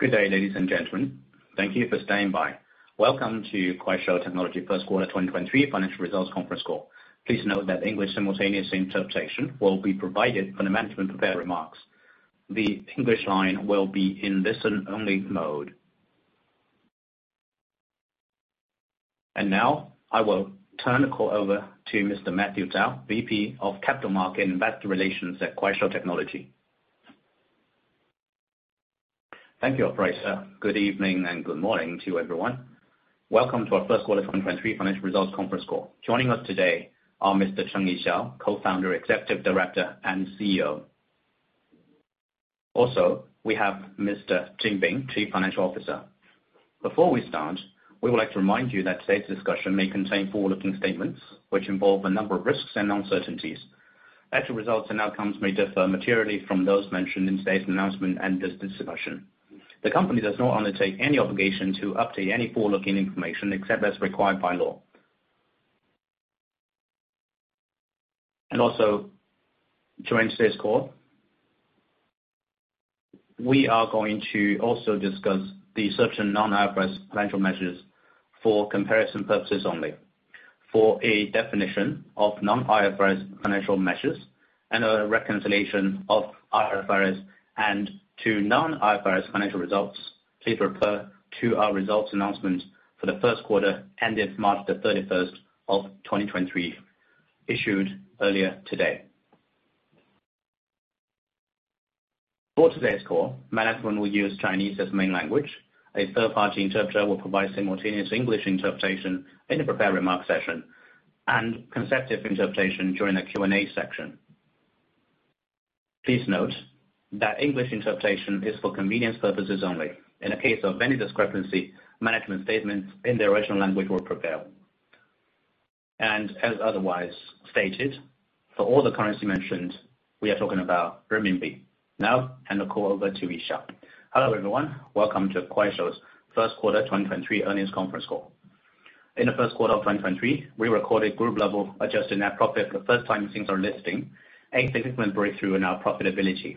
Good day, ladies and gentlemen. Thank you for standing by. Welcome to Kuaishou Technology First Quarter 2023 Financial Results Conference Call. Please note that English simultaneous interpretation will be provided for the management prepared remarks. The English line will be in listen-only mode. Now I will turn the call over to Mr. Matthew Zhao, VP of Capital Market and Investor Relations at Kuaishou Technology. Thank you, operator. Good evening and good morning to everyone. Welcome to our First Quarter 2023 Financial Results Conference Call. Joining us today are Mr. Cheng Yixiao, Co-Founder, Executive Director, and CEO. We have Mr. Jin Bing, Chief Financial Officer. Before we start, we would like to remind you that today's discussion may contain forward-looking statements which involve a number of risks and uncertainties. Actual results and outcomes may differ materially from those mentioned in today's announcement and this discussion. The company does not undertake any obligation to update any forward-looking information except as required by law. During today's call, we are going to also discuss the search in non-IFRS financial measures for comparison purposes only. For a definition of non-IFRS financial measures and a reconciliation of IFRS and to non-IFRS financial results, please refer to our results announcement for the first quarter ended March 31st 2023, issued earlier today. For today's call, management will use Chinese as main language. A third-party interpreter will provide simultaneous English interpretation in the prepared remarks session and consecutive interpretation during the Q&A section. Please note that English interpretation is for convenience purposes only. In the case of any discrepancy, management statements in the original language will prevail. As otherwise stated, for all the currency mentioned, we are talking about renminbi. Now I hand the call over to Yixiao. Hello, everyone. Welcome to Kuaishou's first quarter 2023 earnings conference call. In the first quarter of 2023, we recorded group level adjusted net profit for the first time since our listing, a significant breakthrough in our profitability.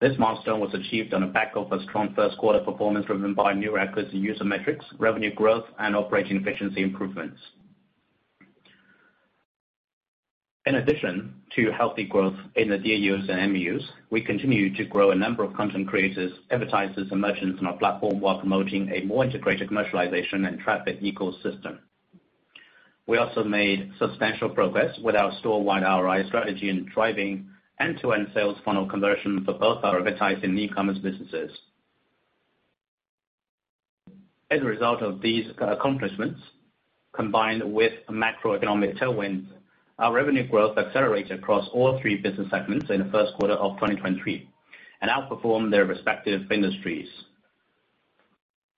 This milestone was achieved on the back of a strong first quarter performance driven by new records in user metrics, revenue growth, and operating efficiency improvements. In addition to healthy growth in the DAUs and MAUs, we continue to grow a number of content creators, advertisers, and merchants on our platform while promoting a more integrated commercialization and traffic ecosystem. We also made substantial progress with our store-wide ROI strategy in driving end-to-end sales funnel conversion for both our advertising and e-commerce businesses. As a result of these accomplishments, combined with macroeconomic tailwinds, our revenue growth accelerated across all three business segments in the first quarter of 2023, outperformed their respective industries.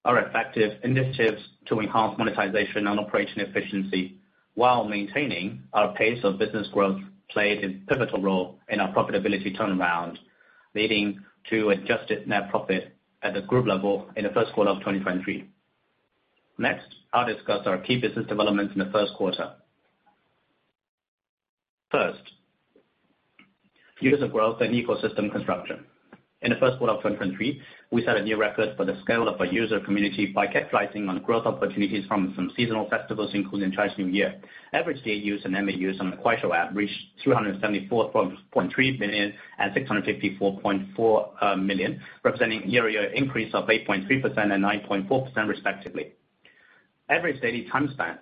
Our effective initiatives to enhance monetization and operating efficiency while maintaining our pace of business growth played a pivotal role in our profitability turnaround, leading to adjusted net profit at the group level in the first quarter of 2023. I'll discuss our key business developments in the first quarter. User growth and ecosystem construction. In the first quarter of 2023, we set a new record for the scale of our user community by capitalizing on growth opportunities from some seasonal festivals, including Chinese New Year. Average DAUs and MAUs on the Kuaishou app reached 374.3 million and 654.4 million, representing year-over-year increase of 8.3% and 9.4% respectively. Average daily time spent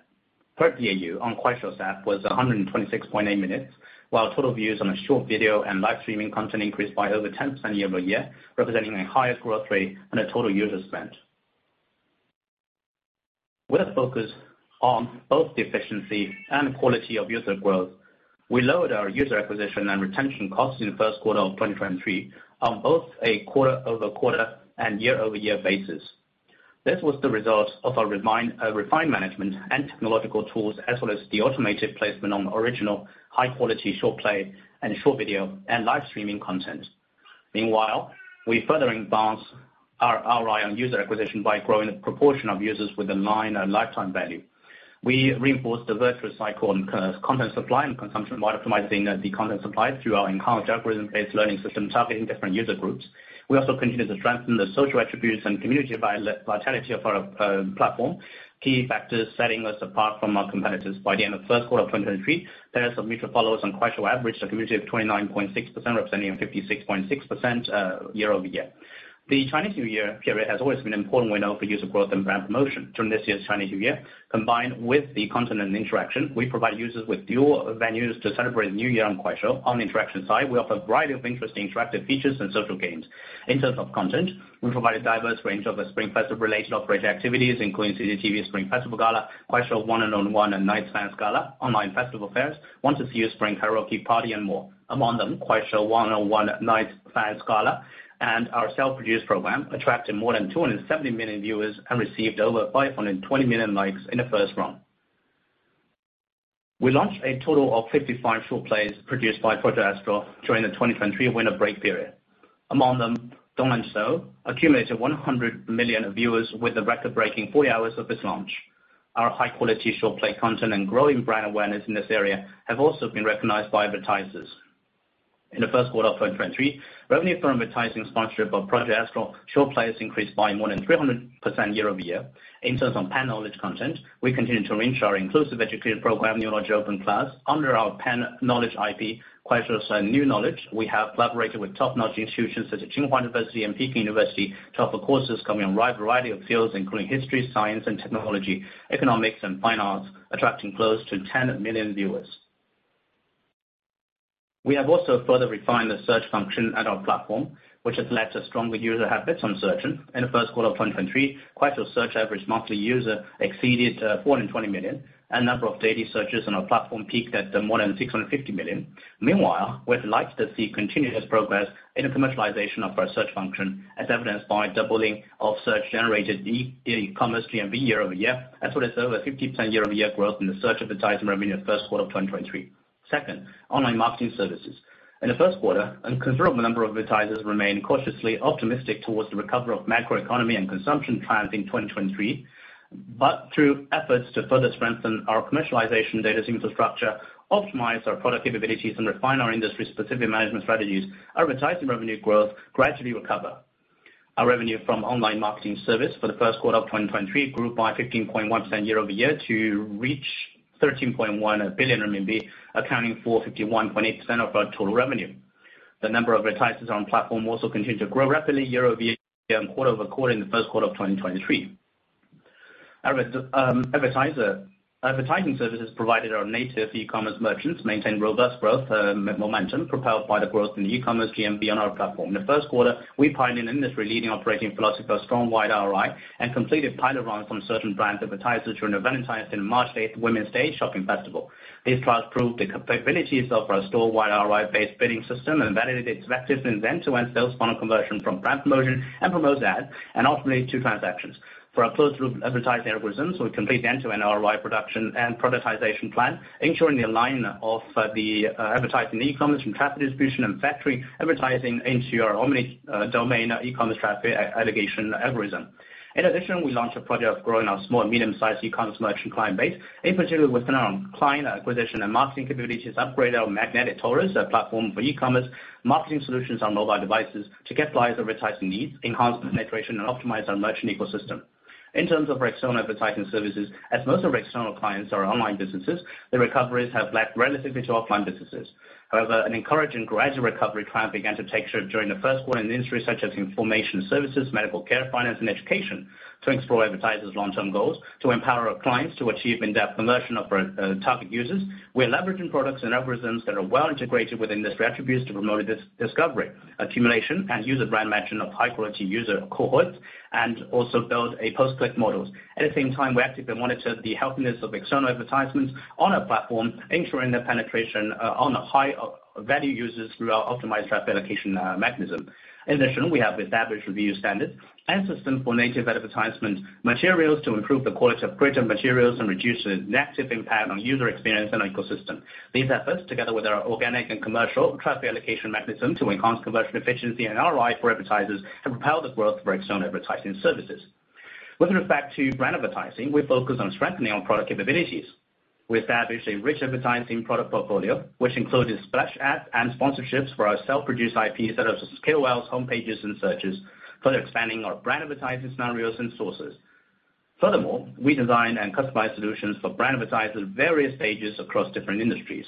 per DAU on Kuaishou's app was 126.8 minutes, while total views on a short video and live streaming content increased by over 10% year-over-year, representing the highest growth rate on the total user spent. With a focus on both the efficiency and quality of user growth, we lowered our user acquisition and retention costs in the first quarter of 2023 on both a quarter-over-quarter and year-over-year basis. This was the result of our refined management and technological tools, as well as the automated placement on original high-quality short play and short video and live streaming content. Meanwhile, we further advanced our ROI on user acquisition by growing the proportion of users with a nine lifetime value. We reinforced the virtuous cycle in content supply and consumption by optimizing the content supply through our enhanced algorithm-based learning system targeting different user groups. We also continue to strengthen the social attributes and community vitality of our platform, key factors setting us apart from our competitors. By the end of first quarter 2023, payer mutual followers on Kuaishou averaged a community of 29.6%, representing 56.6% year-over-year. The Chinese New Year period has always been an important window for user growth and brand promotion. During this year's Chinese New Year, combined with the content and interaction, we provide users with dual venues to celebrate New Year on Kuaishou. On the interaction side, we offer a variety of interesting interactive features and social games. In terms of content, we provide a diverse range of Spring Festival related operator activities, including CCTV Spring Festival Gala, Kuaishou 1001 Nights Fan Gala, online festival fairs, Once A Few Spring Karaoke Party, and more. Among them, Kuaishou 1001 Nights Fan Gala and our self-produced program attracted more than 270 million viewers and received over 520 million likes in the first round. We launched a total of 55 short plays produced by Project Astral during the 2023 winter break period. Among them, Donglan Snow accumulated 100 million viewers with a record-breaking 40 hours of its launch. Our high quality short play content and growing brand awareness in this area have also been recognized by advertisers. In the first quarter of 2023, revenue from advertising sponsorship of Project Astral short players increased by more than 300% year-over-year. In terms on pan-knowledge content, we continue to enrich our inclusive educated program, New Knowledge Open Class, under our pan-knowledge IP, Kuaishou's new knowledge. We have collaborated with top-notch institutions such as Tsinghua University and Peking University to offer courses covering a wide variety of fields, including history, science and technology, economics and finance, attracting close to 10 million viewers. We have also further refined the search function at our platform, which has led to stronger user habits on searching. In the first quarter of 2023, Kuaishou search average monthly user exceeded more than 20 million, and number of daily searches on our platform peaked at more than 650 million. Meanwhile, we're delighted to see continuous progress in the commercialization of our search function, as evidenced by doubling of search generated e-commerce GMV year-over-year. That's what is over 50% year-over-year growth in the search advertising revenue in the first quarter of 2023. Second, online marketing services. In the first quarter, a considerable number of advertisers remained cautiously optimistic towards the recovery of macroeconomy and consumption trends in 2023. Through efforts to further strengthen our commercialization data infrastructure, optimize our product capabilities, and refine our industry-specific management strategies, our advertising revenue growth gradually recover. Our revenue from online marketing service for the first quarter of 2023 grew by 15.1% year-over-year to reach 13.1 billion RMB, accounting for 51.8% of our total revenue. The number of advertisers on platform also continued to grow rapidly year-over-year and quarter-over-quarter in the first quarter of 2023. Advertising services provided our native e-commerce merchants maintain robust growth momentum propelled by the growth in the e-commerce GMV on our platform. In the first quarter, we pioneered an industry-leading operating philosophy for store-wide ROI and completed pilot runs from certain brand advertisers during the Valentine's and March 8th International Women's Day shopping festival. These trials proved the capabilities of our store-wide ROI-based bidding system and validated its effectiveness end-to-end sales funnel conversion from brand promotion and promote ads, and ultimately two transactions. For our closed-loop advertising algorithms, we complete end-to-end ROI production and productization plan, ensuring the alignment of the advertising e-commerce from traffic distribution and factoring advertising into our omni domain e-commerce traffic allocation algorithm. In addition, we launched a project of growing our small and medium-sized e-commerce merchant client base, in particular within our own client acquisition and marketing capabilities, upgrade our Magnetic Taurus platform for e-commerce, marketing solutions on mobile devices to catalyze advertising needs, enhance penetration, and optimize our merchant ecosystem. In terms of our external advertising services, as most of our external clients are online businesses, the recoveries have lagged relatively to offline businesses. However, an encouraging gradual recovery trend began to take shape during the first quarter in industries such as information services, medical care, finance and education to explore advertisers' long-term goals to empower our clients to achieve in-depth conversion of our target users. We're leveraging products and algorithms that are well integrated within this attributes to promote discovery, accumulation, and user brand matching of high quality user cohorts, and also build a post-click models. At the same time, we actively monitor the healthiness of external advertisements on our platform, ensuring the penetration on the high value users through our optimized traffic allocation mechanism. In addition, we have established review standards and system for native advertisement materials to improve the quality of creative materials and reduce the negative impact on user experience and ecosystem. These efforts, together with our organic and commercial traffic allocation mechanism to enhance conversion efficiency and ROI for advertisers, have propelled the growth for external advertising services. With respect to brand advertising, we focus on strengthening our product capabilities. We established a rich advertising product portfolio, which includes splash ads and sponsorships for our self-produced IPs that are KOLs, home pages and searches, further expanding our brand advertising scenarios and sources. Furthermore, we design and customize solutions for brand advertisers various stages across different industries.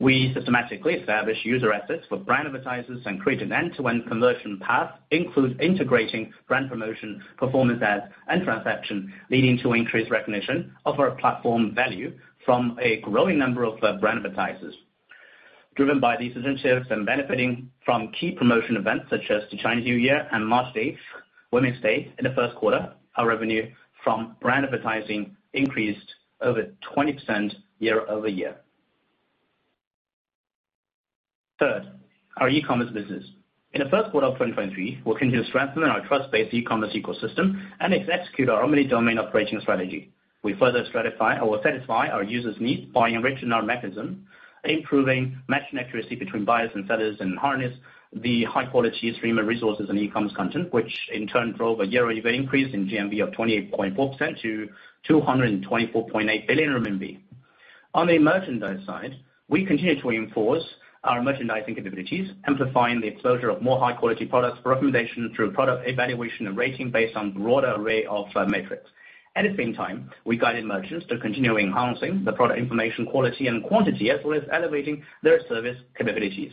We systematically establish user assets for brand advertisers and create an end-to-end conversion path, include integrating brand promotion, performance ads, and transaction, leading to increased recognition of our platform value from a growing number of brand advertisers. Driven by these initiatives and benefiting from key promotion events such as the Chinese New Year and March eighth, Women's Day in the first quarter, our revenue from brand advertising increased over 20% year-over-year. Third, our e-commerce business. In the first quarter of 2023, we continued to strengthen our trust-based e-commerce ecosystem and execute our omni-domain operating strategy. We further satisfy our users' needs by enriching our mechanism, improving matching accuracy between buyers and sellers, and harness the high-quality stream of resources and e-commerce content, which in turn drove a year-over-year increase in GMV of 28.4% to 224.8 billion RMB. On the merchandise side, we continue to enforce our merchandising capabilities, amplifying the exposure of more high-quality products for recommendation through product evaluation and rating based on broader array of five metrics. At the same time, we guided merchants to continue enhancing the product information quality and quantity, as well as elevating their service capabilities.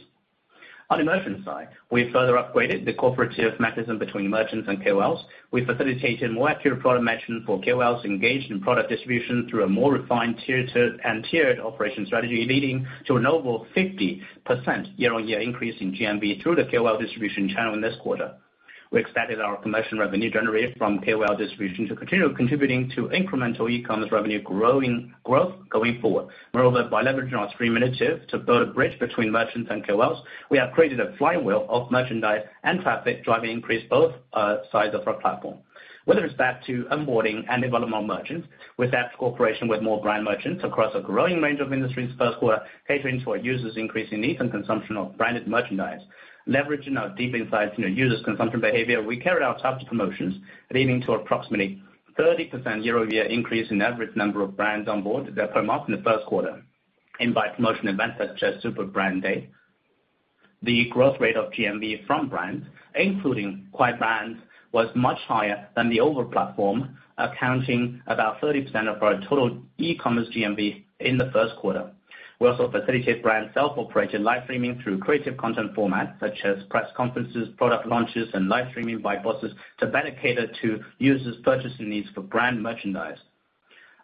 On the merchant side, we further upgraded the cooperative mechanism between merchants and KOLs. We facilitated more accurate product matching for KOLs engaged in product distribution through a more refined and tiered operation strategy, leading to an over 50% year-on-year increase in GMV through the KOL distribution channel in this quarter. We expanded our commercial revenue generated from KOL distribution to continue contributing to incremental e-commerce revenue growth going forward. Moreover, by leveraging our stream initiative to build a bridge between merchants and KOLs, we have created a flywheel of merchandise and traffic driving increase both sides of our platform. With respect to onboarding and development merchants, with that cooperation with more brand merchants across a growing range of industries, first we're catering for users' increasing needs and consumption of branded merchandise. Leveraging our deep insights into users' consumption behavior, we carried out targeted promotions, leading to approximately 30% year-over-year increase in average number of brands on board the platform up in the first quarter. In by promotion events such as Super Brand Day. The growth rate of GMV from brands, including Kwai Brands, was much higher than the overall platform, accounting about 30% of our total e-commerce GMV in the first quarter. We also facilitate brand self-operated live streaming through creative content format such as press conferences, product launches, and live streaming by bosses to better cater to users purchasing needs for brand merchandise.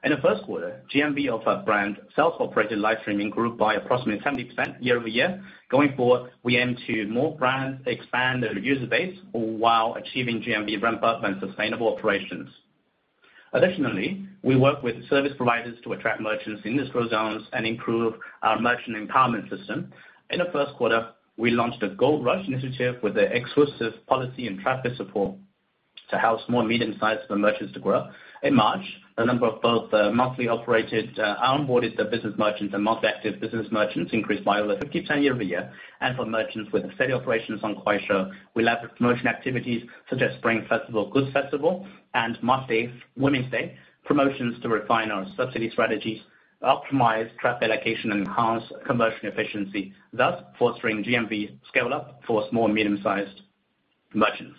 In the first quarter, GMV of our brand self-operated live streaming grew by approximately 70% year-over-year. Going forward, we aim to more brands expand their user base while achieving GMV ramp up and sustainable operations. Additionally, we work with service providers to attract merchants in these growth zones and improve our merchant empowerment system. In the first quarter, we launched a Gold Rush Initiative with an exclusive policy and traffic support to house more medium-sized for merchants to grow. In March, a number of both monthly operated onboarded business merchants and monthly active business merchants increased by over 50% year-over-year. For merchants with steady operations on Kuaishou, we leveraged promotion activities such as Spring Festival Goods Festivals and Mother's Day, Women's Day promotions to refine our subsidy strategies, optimize traffic allocation, and enhance conversion efficiency, thus fostering GMV scale-up for small and medium-sized merchants.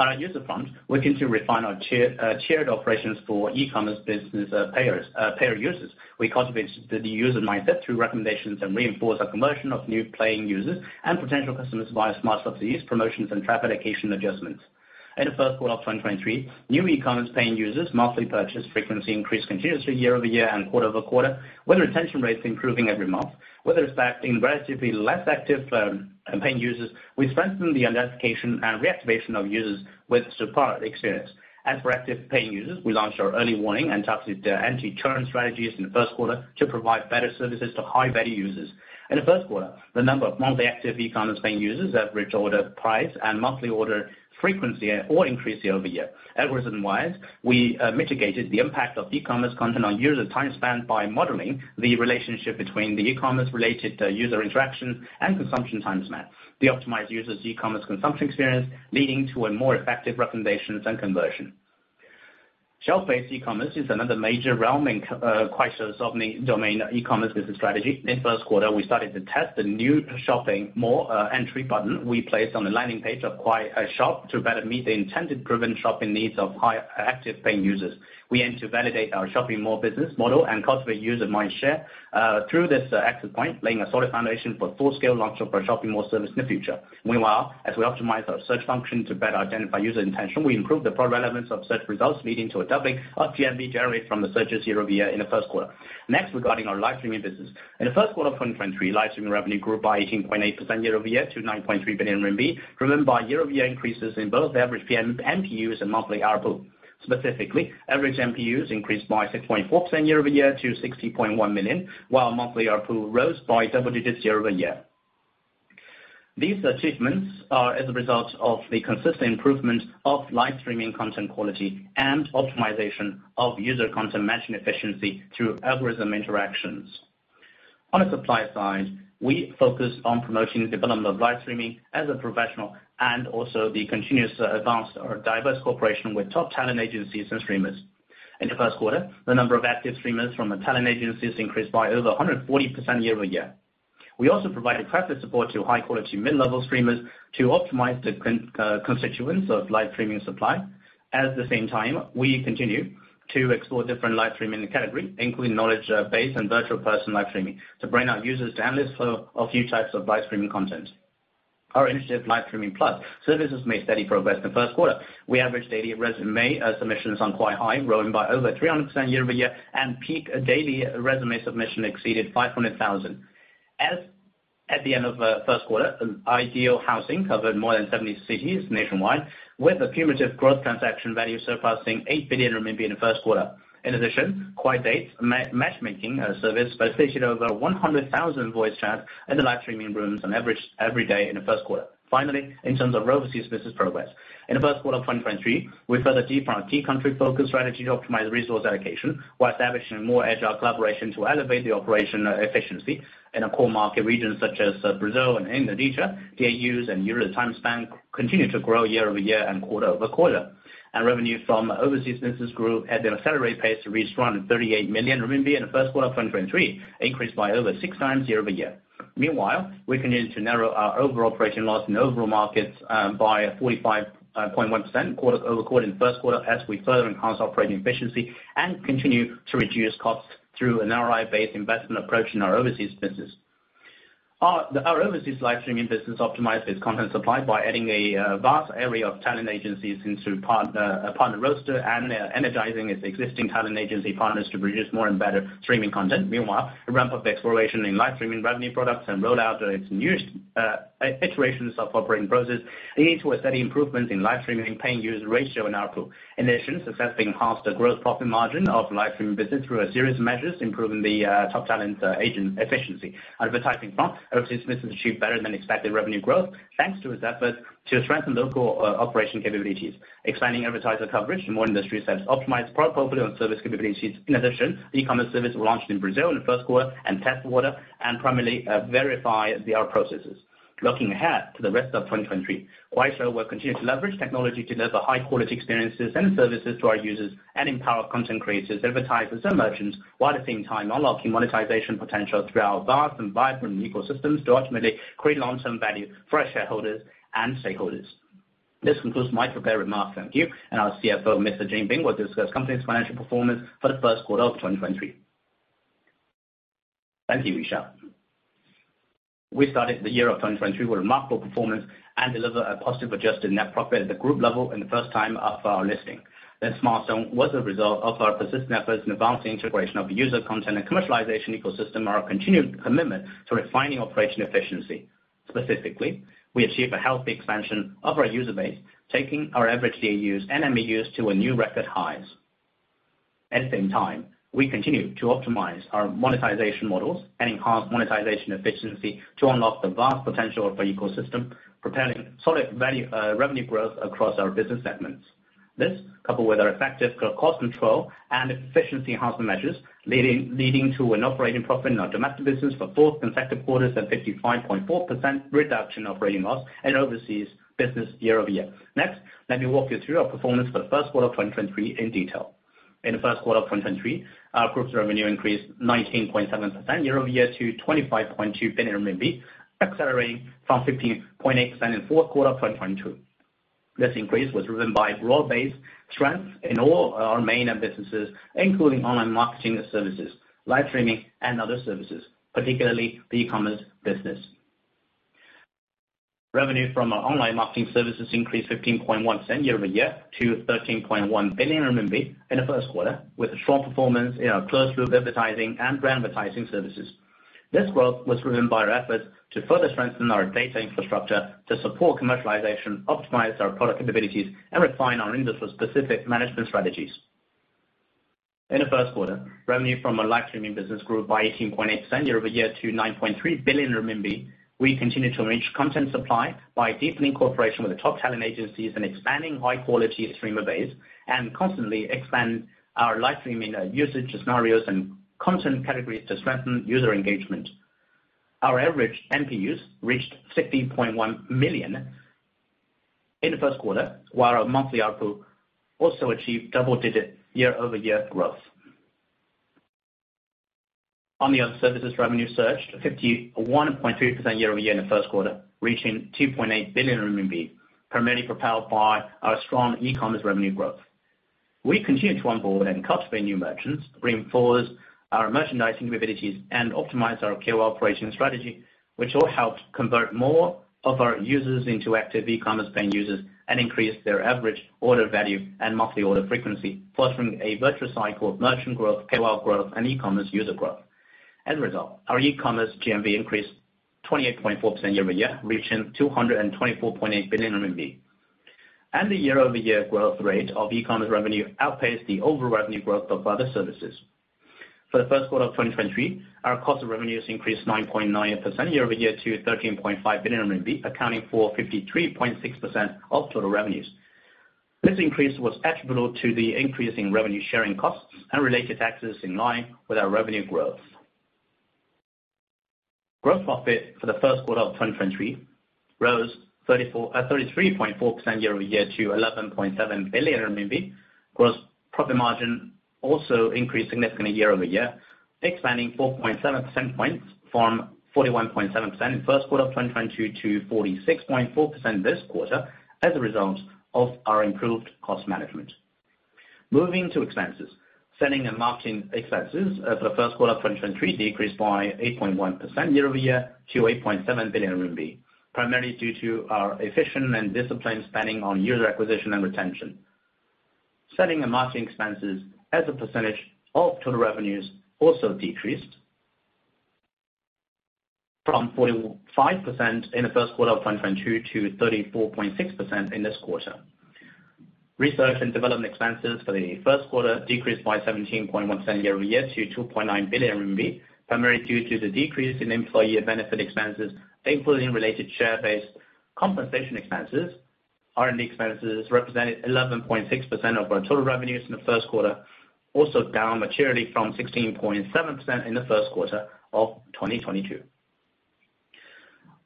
On our user front, we continue to refine our chaired operations for e-commerce business payer users. We cultivate the user mindset through recommendations and reinforce our conversion of new paying users and potential customers via smart subsidies, promotions, and traffic allocation adjustments. In the first quarter of 2023, new e-commerce paying users monthly purchase frequency increased continuously year-over-year and quarter-over-quarter, with retention rates improving every month. With respect to the relatively less active paying users, we strengthened the identification and reactivation of users with subpar experience. As for active paying users, we launched our early warning and anti-churn strategies in the first quarter to provide better services to high-value users. In the first quarter, the number of monthly active e-commerce paying users, average order price, and monthly order frequency all increased year-over-year. Algorithm-wise, we mitigated the impact of e-commerce content on user time spent by modeling the relationship between the e-commerce related user interaction and consumption time spent. We optimized users e-commerce consumption experience, leading to a more effective recommendations and conversion. Shelf-based e-commerce is another major realm in Kuaishou's domain e-commerce business strategy. In first quarter, we started to test the new shopping mall entry button we placed on the landing page of Kwai Shop to better meet the intended driven shopping needs of high active paying users. We aim to validate our shopping mall business model and cultivate user mindshare through this access point, laying a solid foundation for full-scale launch of our shopping mall service in the future. Meanwhile, as we optimize our search function to better identify user intention, we improve the pro relevance of search results, leading to a doubling of GMV generated from the searches year-over-year in the first quarter. Regarding our live streaming business. In the first quarter of 2023, live streaming revenue grew by 18.8% year-over-year to 9.3 billion RMB, driven by year-over-year increases in both average GMV, MPUs and monthly ARPU. Specifically, average MPUs increased by 6.4% year-over-year to 60.1 million, while monthly ARPU rose by double digits year-over-year. These achievements are as a result of the consistent improvement of live streaming content quality and optimization of user content matching efficiency through algorithm interactions. On a supply side, we focus on promoting development of live streaming as a professional and also the continuous advance our diverse cooperation with top talent agencies and streamers. In the first quarter, the number of active streamers from the talent agencies increased by over 140% year-over-year. We also provided traffic support to high-quality mid-level streamers to optimize the constituents of live streaming supply. At the same time, we continue to explore different live streaming category, including knowledge base and virtual personal live streaming to broaden our users' demands for a few types of live streaming content. Our initiative, Live Streaming Plus services made steady progress in the first quarter. We averaged daily resume submissions on Kwai Hire growing by over 300% year-over-year, and peak daily resume submission exceeded 500,000. As at the end of the first quarter, Ideal Housing covered more than 70 cities nationwide, with a cumulative growth transaction value surpassing 8 billion RMB in the first quarter. In addition, Kwai Date matchmaking service facilitated over 100,000 voice chat in the live streaming rooms on average every day in the first quarter. Finally, in terms of overseas business progress. In the first quarter of 2023, we further deepen our key country focus strategy to optimize resource allocation while establishing a more agile collaboration to elevate the operational efficiency in a core market regions such as Brazil and Indonesia. DAUs and yearly time span continue to grow year-over-year and quarter-over-quarter. Revenue from overseas business grew at an accelerated pace to reach 38 million RMB in the first quarter of 2023, increased by over 6x year-over-year. We continue to narrow our overall operating loss in overall markets by 45.1% quarter-over-quarter in the first quarter as we further enhance operating efficiency and continue to reduce costs through an ROI-based investment approach in our overseas business. Our overseas live streaming business optimized its content supply by adding a vast array of talent agencies into a partner roster and energizing its existing talent agency partners to produce more and better streaming content. The ramp up the exploration in live streaming revenue products and rollout of its new iterations of operating process lead to a steady improvement in live streaming paying user ratio and ARPU. In addition, success being enhanced the growth profit margin of live streaming business through a series of measures, improving the top talent agent efficiency. Advertising front, overseas business achieved better than expected revenue growth, thanks to its efforts to strengthen local operation capabilities, expanding advertiser coverage to more industry sets, optimize product portfolio and service capabilities. In addition, e-commerce service launched in Brazil in the first quarter and test water and primarily verify the R processes. Looking ahead to the rest of 2020, Kuaishou will continue to leverage technology to deliver high quality experiences and services to our users and empower content creators, advertisers, and merchants, while at the same time unlocking monetization potential through our vast and vibrant ecosystems to ultimately create long-term value for our shareholders and stakeholders. This concludes my prepared remarks. Thank you. Our CFO, Mr. Jin Bing, will discuss company's financial performance for the first quarter of 2023. Thank you, Yixiao. We started the year of 2023 with remarkable performance and deliver a positive adjusted net profit at the group level in the first time of our listing. This milestone was a result of our persistent efforts in advancing integration of user content and commercialization ecosystem, and our continued commitment to refining operation efficiency. Specifically, we achieved a healthy expansion of our user base, taking our average DAUs and MAUs to a new record highs. At the same time, we continue to optimize our monetization models and enhance monetization efficiency to unlock the vast potential of our ecosystem, preparing solid value, revenue growth across our business segments. This coupled with our effective co-cost control and efficiency enhancement measures, leading to an operating profit in our domestic business for four consecutive quarters and 55.4% reduction operating loss in overseas business year-over-year. Next, let me walk you through our performance for the first quarter of 2023 in detail. In the first quarter of 2023, our group's revenue increased 19.7% year-over-year to 25.2 billion RMB, accelerating from 16.8% in fourth quarter of 2022. This increase was driven by broad-based strength in all our main businesses, including online marketing services, live streaming, and other services, particularly the e-commerce business. Revenue from our online marketing services increased 15.1% year-over-year to 13.1 billion RMB in the first quarter, with a strong performance in our closed-loop advertising and brand advertising services. This growth was driven by our efforts to further strengthen our data infrastructure to support commercialization, optimize our product capabilities, and refine our industry-specific management strategies. In the first quarter, revenue from our live streaming business grew by 18.8% year-over-year to 9.3 billion RMB. We continue to enrich content supply by deepening cooperation with the top talent agencies and expanding high-quality streamer base, and constantly expand our live streaming usage scenarios and content categories to strengthen user engagement. Our average MPUs reached 60.1 million in the first quarter, while our monthly ARPU also achieved double-digit year-over-year growth. On the other services, revenue surged 51.2% year-over-year in the first quarter, reaching 2.8 billion RMB, primarily propelled by our strong e-commerce revenue growth. We continue to onboard and cultivate new merchants, reinforce our merchandising capabilities, and optimize our KOL operation strategy, which all helped convert more of our users into active e-commerce paying users and increase their average order value and monthly order frequency, fostering a virtuous cycle of merchant growth, KO growth, and e-commerce user growth. As a result, our e-commerce GMV increased 28.4% year-over-year, reaching 224.8 billion RMB. The year-over-year growth rate of e-commerce revenue outpaced the overall revenue growth of other services. For the first quarter of 2023, our cost of revenues increased 9.9% year-over-year to 13.5 billion RMB, accounting for 53.6% of total revenues. This increase was attributable to the increase in revenue sharing costs and related taxes in line with our revenue growth. Gross profit for the first quarter of 2023 rose 33.4% year-over-year to 11.7 billion RMB. Gross profit margin also increased significantly year-over-year, expanding 4.7 percentage points from 41.7% in first quarter of 2022 to 46.4% this quarter as a result of our improved cost management. Moving to expenses. Selling and marketing expenses for the first quarter of 2023 decreased by 8.1% year-over-year to 8.7 billion RMB, primarily due to our efficient and disciplined spending on user acquisition and retention. Selling and marketing expenses as a percentage of total revenues also decreased from 45% in the first quarter of 2022 to 34.6% in this quarter. Research and development expenses for the first quarter decreased by 17.1% year-over-year to 2.9 billion RMB, primarily due to the decrease in employee benefit expenses, including related share-based compensation expenses. R&D expenses represented 11.6% of our total revenues in the first quarter, also down materially from 16.7% in the first quarter of 2022.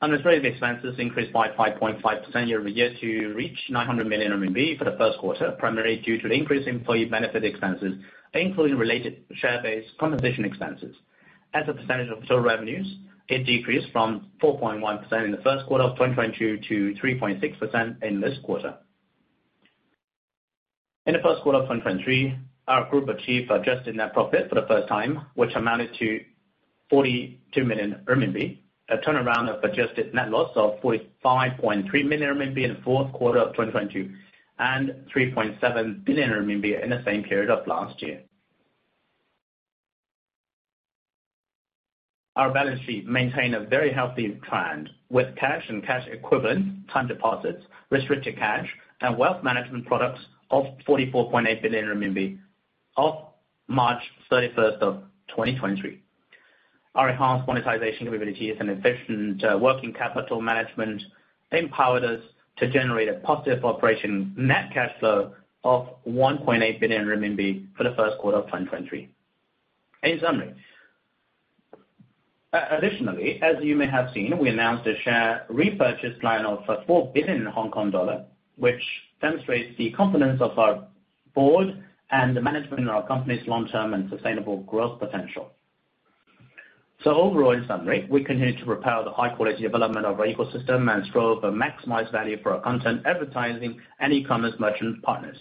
Administrative expenses increased by 5.5% year-over-year to reach 900 million RMB for the first quarter, primarily due to the increased employee benefit expenses, including related share-based compensation expenses. As a percentage of total revenues, it decreased from 4.1% in the first quarter of 2022 to 3.6% in this quarter. In the first quarter of 2023, our group achieved adjusted net profit for the first time, which amounted to 42 million RMB, a turnaround of adjusted net loss of 45.3 million RMB in the fourth quarter of 2022, and 3.7 billion RMB in the same period of last year. Our balance sheet maintained a very healthy trend with cash and cash equivalent, time deposits, restricted cash, and wealth management products of 44.8 billion RMB of March 31, 2023. Our enhanced monetization capabilities and efficient working capital management empowered us to generate a positive operation net cash flow of 1.8 billion RMB for the first quarter of 2023. In summary. Additionally, as you may have seen, we announced a share repurchase plan of 4 billion Hong Kong dollar, which demonstrates the confidence of our board and the management of our company's long-term and sustainable growth potential. Overall, in summary, we continue to propel the high-quality development of our ecosystem and strive to maximize value for our content, advertising and e-commerce merchant partners.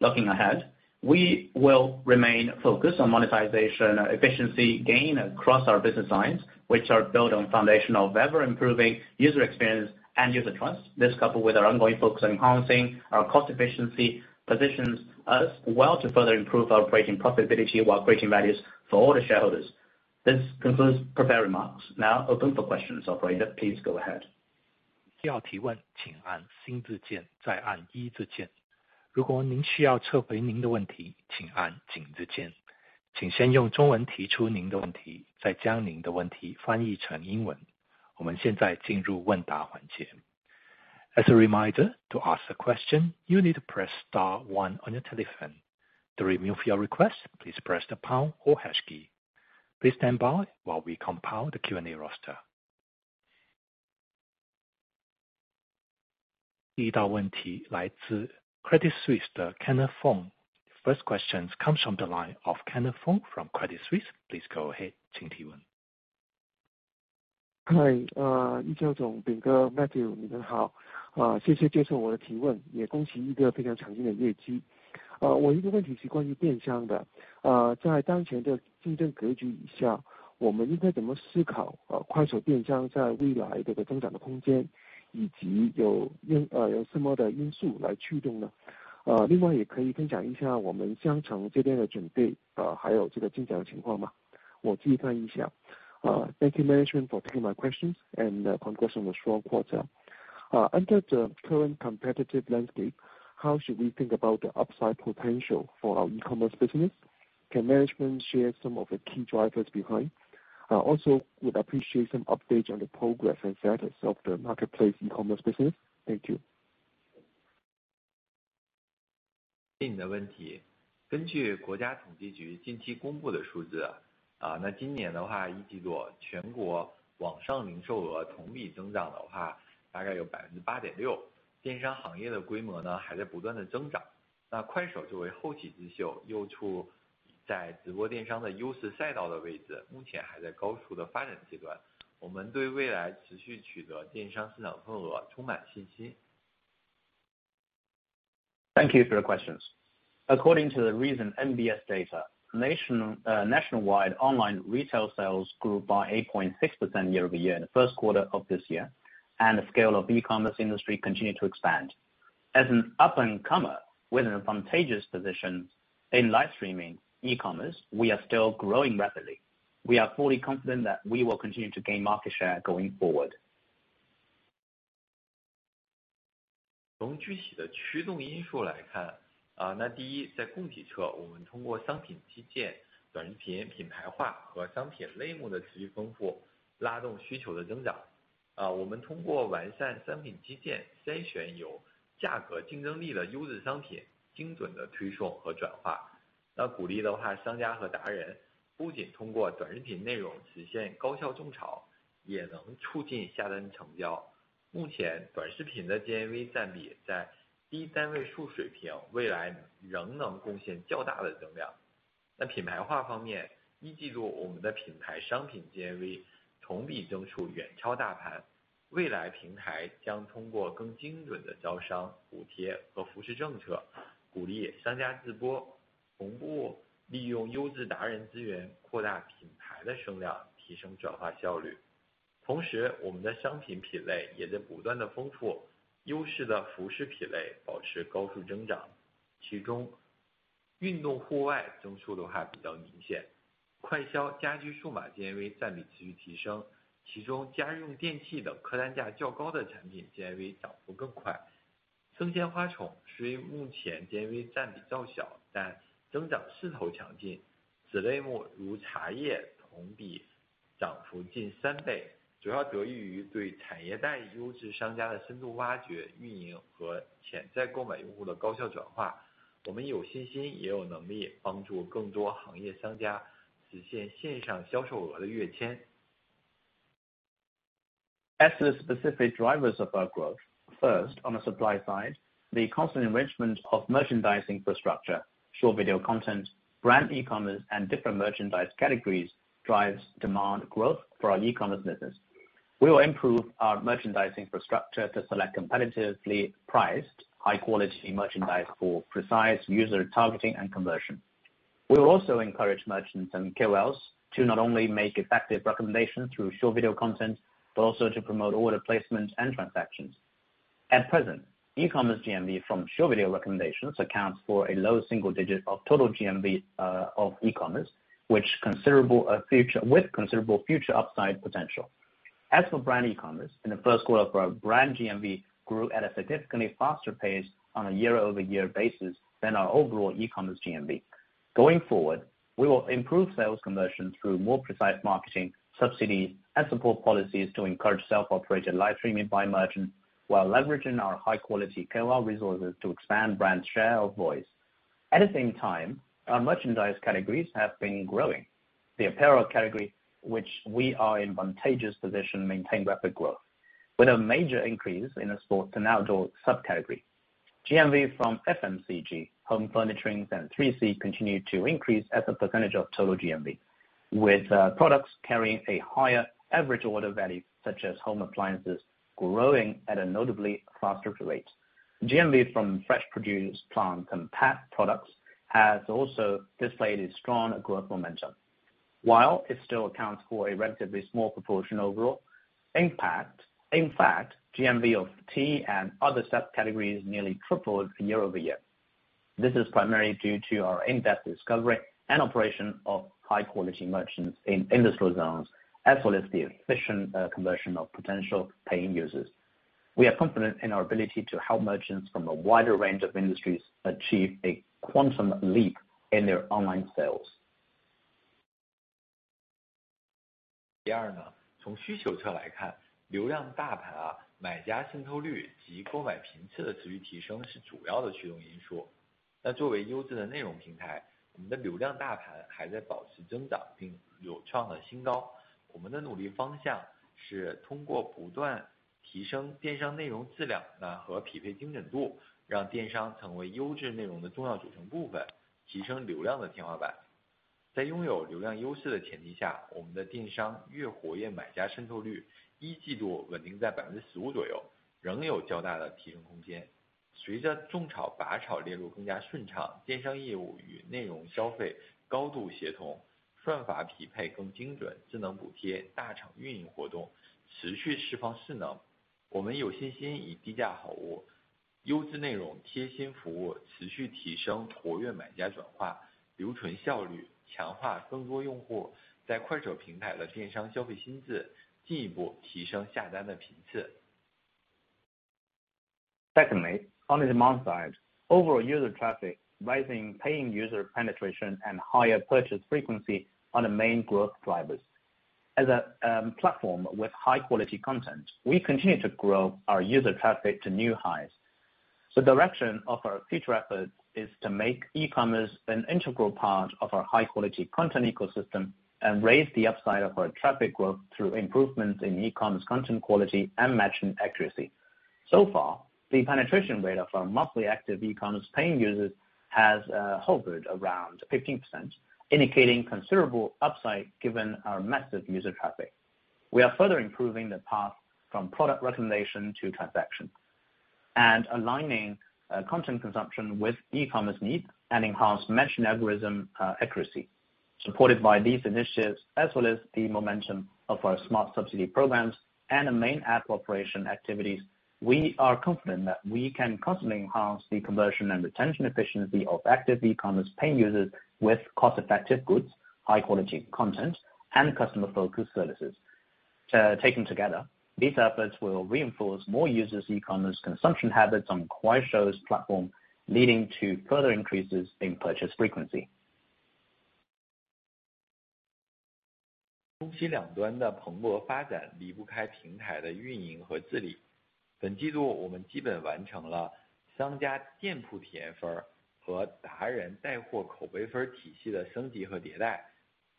Looking ahead, we will remain focused on monetization efficiency gain across our business lines, which are built on a foundation of ever-improving user experience and user trust. This, coupled with our ongoing focus on enhancing our cost efficiency, positions us well to further improve our operating profitability while creating values for all the shareholders. This concludes prepared remarks. Now open for questions. Operator, please go ahead. As a reminder, to ask the question, you need to press star one on your telephone. To remove your request, please press the pound or hash key. Please stand by while we compile the Q&A roster. First question comes from the line of Kenneth Fong from Credit Suisse. Please go ahead. Hi, Matthew. Thank you management for taking my questions and congrats on the strong quarter. Under the current competitive landscape, how should we think about the upside potential for our e-commerce business? Can management share some of the key drivers behind? Also would appreciate some updates on the progress and status of the marketplace e-commerce business. Thank you. Thank you for your questions. According to the recent NBS data, national wide online retail sales grew by 8.6% year-over-year in the first quarter of this year, and the scale of e-commerce industry continued to expand. As an up-and-comer with an advantageous position in live streaming e-commerce, we are still growing rapidly. We are fully confident that we will continue to gain market share going forward. As to the specific drivers of our growth, first, on the supply side, the constant enrichment of merchandise infrastructure, short video content, brand e-commerce, and different merchandise categories drives demand growth for our e-commerce business. We will improve our merchandising infrastructure to select competitively priced, high-quality merchandise for precise user targeting and conversion. We will also encourage merchants and KOLs to not only make effective recommendations through short video content, but also to promote order placements and transactions. At present, e-commerce GMV from short video recommendations accounts for a low single digit of total GMV of e-commerce, with considerable future upside potential. As for brand e-commerce, in the first quarter of our brand GMV grew at a significantly faster pace on a year-over-year basis than our overall e-commerce GMV. Going forward, we will improve sales conversion through more precise marketing, subsidies and support policies to encourage self-operated live streaming by merchants, while leveraging our high-quality KOL resources to expand brand share of voice. At the same time, our merchandise categories have been growing. The apparel category, which we are in advantageous position, maintain rapid growth with a major increase in a sports and outdoor subcategory. GMV from FMCG, home furnishings and 3C continued to increase as a percentage of total GMV, with products carrying a higher average order value, such as home appliances, growing at a notably faster rate. GMV from fresh produce, plant and pet products has also displayed a strong growth momentum. While it still accounts for a relatively small proportion overall, in fact, GMV of tea and other subcategories nearly tripled year-over-year. This is primarily due to our in-depth discovery and operation of high-quality merchants in industrial zones, as well as the efficient conversion of potential paying users. We are confident in our ability to help merchants from a wider range of industries achieve a quantum leap in their online sales. 第二 呢， 从需求侧来 看， 流量大 盘， 买家渗透率及购买频次的持续提升是主要的驱动因 素. 那作为优质的内容平 台， 我们的流量大盘还在保持增长并流畅的新 高. 我们的努力方向是通过不断提升电商内容质量和匹配精准 度， 让电商成为优质内容的重要组成部 分， 提升流量的天花 板. 在拥有流量优势的前提 下， 我们的电商月活跃买家渗透率一季度稳定在 15% 左 右， 仍有较大的提升空 间. 随着种草、拔草、列入更加顺 畅， 电商业务与内容消费高度协 同， 算法匹配更精 准， 智能补 贴， 大厂运营活动持续释放势 能. 我们有信心以低价好物、优质内容、贴心服 务， 持续提升活跃买家转化留存效 率， 强化更多用户在 Kuaishou 平台的电商消费心 智， 进一步提升下单的频 次. Secondly, on the demand side, overall user traffic rising, paying user penetration and higher purchase frequency are the main growth drivers. As a platform with high quality content, we continue to grow our user traffic to new highs. The direction of our future efforts is to make e-commerce an integral part of our high quality content ecosystem, and raise the upside of our traffic growth through improvements in e-commerce content quality and matching accuracy. So far, the penetration rate of our monthly active e-commerce paying users has hovered around 15%, indicating considerable upside given our massive user traffic. We are further improving the path from product recommendation to transaction and aligning content consumption with e-commerce needs and enhance mentioned algorithm accuracy. Supported by these initiatives, as well as the momentum of our smart subsidy programs and the main app operation activities, we are confident that we can constantly enhance the conversion and retention efficiency of active e-commerce paying users with cost effective goods, high quality content and customer focused services. Taken together, these efforts will reinforce more users e-commerce consumption habits on Kuaishou's platform, leading to further increases in purchase frequency. 供给两端的蓬勃发展离不开平台的运营和治理。本季度我们基本完成了商家店铺体验分和达人带货口碑分体系的升级和迭 代，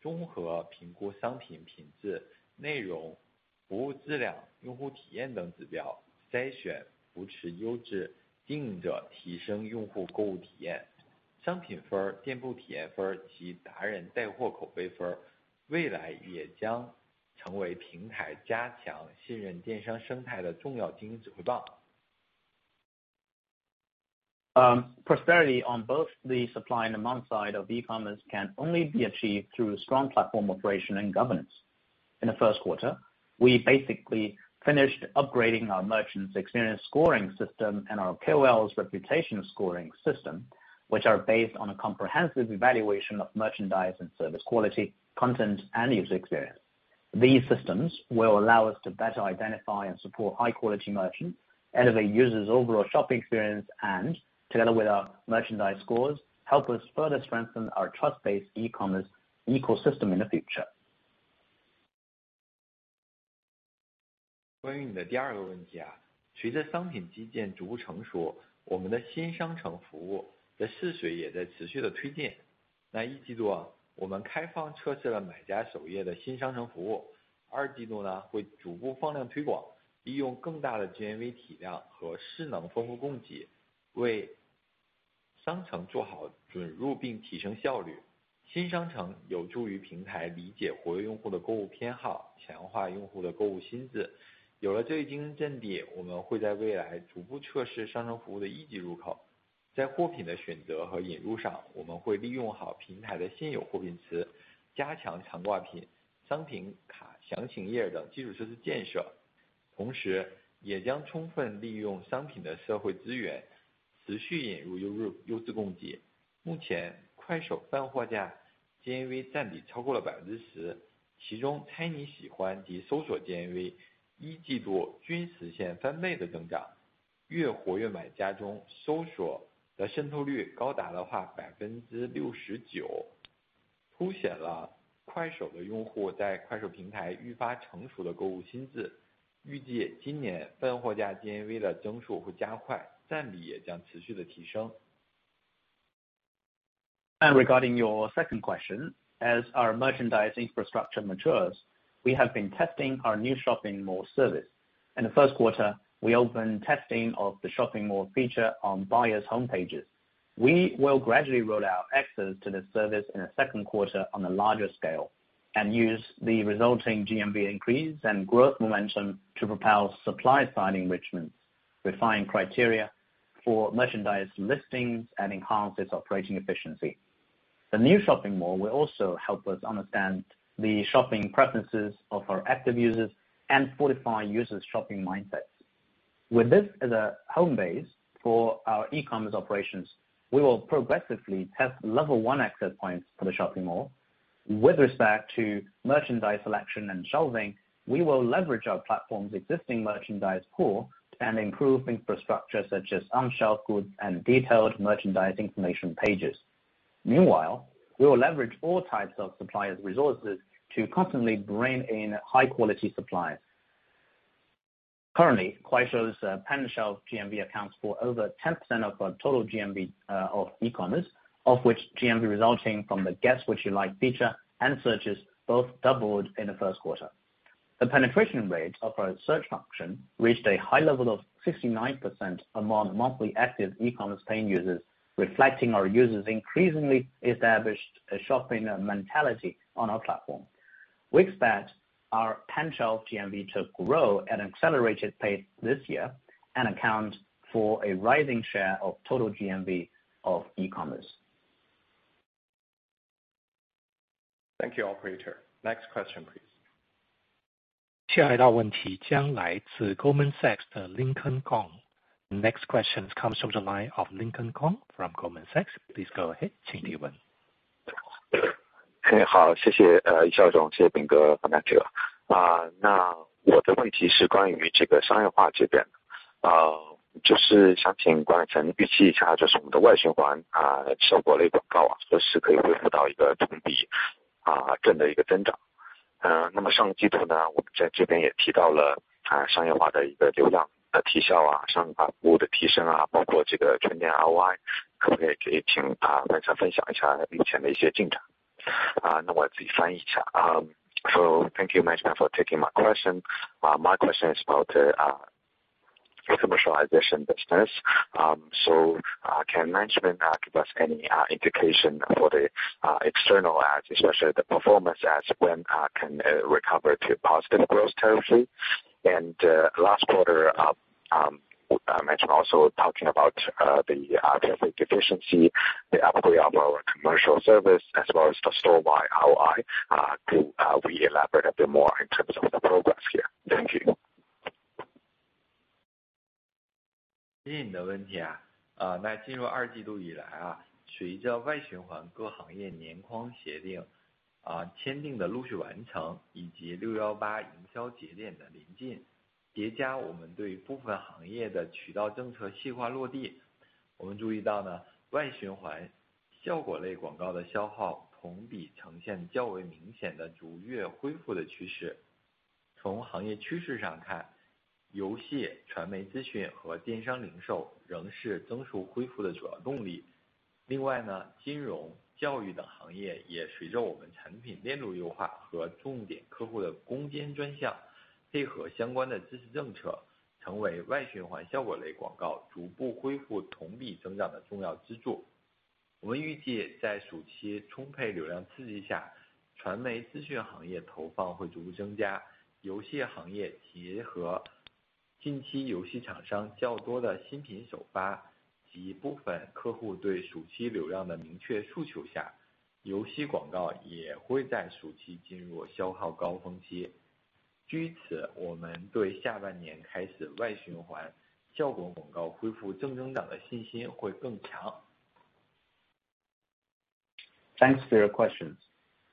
综合评估商品品质、内容、服务质量、用户体验等指 标， 筛选扶持优质经营 者， 提升用户购物体验。商品分、店铺体验分及达人带货口碑分未来也将成为平台加强信任电商生态的重要经营渠道。Prosperity on both the supply and demand side of e-commerce can only be achieved through strong platform operation and governance. In the first quarter, we basically finished upgrading our merchants experience scoring system and our KOLs reputation scoring system, which are based on a comprehensive evaluation of merchandise and service quality, content and user experience. These systems will allow us to better identify and support high-quality merchants, elevate users overall shopping experience, and together with our merchandise scores, help us further strengthen our trust-based e-commerce ecosystem in the future. 关于你的第二个问 题， 随着商品基建逐步成 熟， 我们的新商城服务的试水也在持续地推进。那 Q1 ，我们开放测试了买家首页的新商城服务。Q2 呢， 会逐步放量推 广， 利用更大的 GMV 体量和势能丰富供 给， 为商城做好准入并提升效率。新商城有助于平台理解活跃用户的购物偏 好， 强化用户的购物心智。有了这一经营阵 地， 我们会在未来逐步测试商城服务的一级入口。在货品的选择和引入 上， 我们会利用好平台的现有货品 词， 加强常挂品、商品卡、详情页等基础设施建 设， 同时也将充分利用商品的社会资 源， 持续引入优质供给。目前快手泛货架 GMV 占比超过了 10%， 其中猜你喜欢及搜索 GMV Q1 均实现翻倍的增 长， 月活跃买家中搜索的渗透率高达了 69%。凸显了快手的用户在快手平台愈发成熟的购物心智。预计今年泛货架 GMV 的增速会加 快， 占比也将持续地提升。Regarding your second question, as our merchandising infrastructure matures, we have been testing our new shopping mall service. In the first quarter, we open testing of the shopping mall feature on buyers homepages. We will gradually roll out access to the service in the second quarter on a larger scale, and use the resulting GMV increase and growth momentum to propel supply side enrichment, refine criteria for merchandise listings, and enhance its operating efficiency. The new shopping mall will also help us understand the shopping preferences of our active users and fortify users shopping mindsets. With this as a home base for our e-commerce operations, we will progressively test level one access points for the shopping mall. With respect to merchandise selection and shelving, we will leverage our platform's existing merchandise pool and improve infrastructure such as on-shelf goods and detailed merchandise information pages. Meanwhile, we will leverage all types of suppliers resources to constantly bring in high quality suppliers. Currently, Kuaishou's pan-shelf GMV accounts for over 10% of our total GMV of e-commerce, of which GMV resulting from the Guess You Like feature and searches both doubled in the first quarter. The penetration rate of our search function reached a high level of 59% among monthly active e-commerce paying users, reflecting our users increasingly established a shopping mentality on our platform. We expect our pan-shelf GMV to grow at an accelerated pace this year and account for a rising share of total GMV of e-commerce. Thank you, operator. Next question, please. 下一道问题将来自 Goldman Sachs 的 Lincoln Kong。Next question comes from the line of Lincoln Kong from Goldman Sachs. Please go ahead. 请提问。嘿，好，谢谢 Yixiao，谢谢 Jin Bing。我的问题是关于这个商业化这边，就是想请管理层预期一下，就是我们的外循环，效果类广告，何时可以恢复到一个同比，正的一个增长。上个季度呢，我们在这边也提到了，商业化的一个流量的提效，商品服务的提升，包括这个 store-wide ROI，可不可以请，管理层分享一下目前的一些进展。我自己翻译一下。Thank you management for taking my question. My question is about commercialization business. Can management give us any indication for the external ads, especially the performance ads, when can recover to positive growth trajectory? Last quarter, management also talking about the traffic efficiency, the upgrade of our commercial service as well as the store-wide ROI. Could we elaborate a bit more in terms of the progress here? Thank you. 谢谢你的问题啊。呃， 那进入二季度以来 啊， 随着外循环各行业年框协 定， 啊， 签订的陆续完 成， 以及六幺八营销节点的临 近， 叠加我们对部分行业的渠道政策细化落 地， 我们注意到 呢， 外循环效果类广告的消耗同比呈现较为明显的逐月恢复的趋势。从行业趋势上 看， 游戏、传媒资讯和电商零售仍是增速恢复的主要动力。另外 呢， 金融、教育等行业也随着我们产品链路优化和重点客户的攻坚专项，配合相关的支持政 策， 成为外循环效果类广告逐步恢复同比增长的重要支柱。我们预计在暑期充沛流量刺激 下， 传媒资讯行业投放会逐步增 加， 游戏行业结合近期游戏厂商较多的新品首 发， 及部分客户对暑期流量的明确诉求 下， 游戏广告也会在暑期进入消耗高峰期。基于 此， 我们对下半年开始外循环效果广告恢复正增长的信心会更强。Thanks for your questions.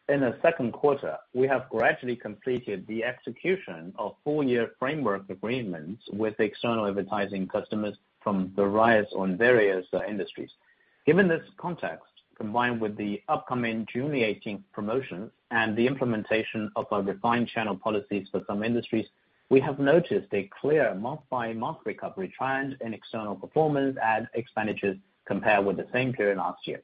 In the second quarter, we have gradually completed the execution of full year framework agreements with external advertising customers from various industries. Given this context, combined with the upcoming June 18th promotion and the implementation of our refined channel policies for some industries, we have noticed a clear month-by-month recovery trend in external performance and expenditures compared with the same period last year.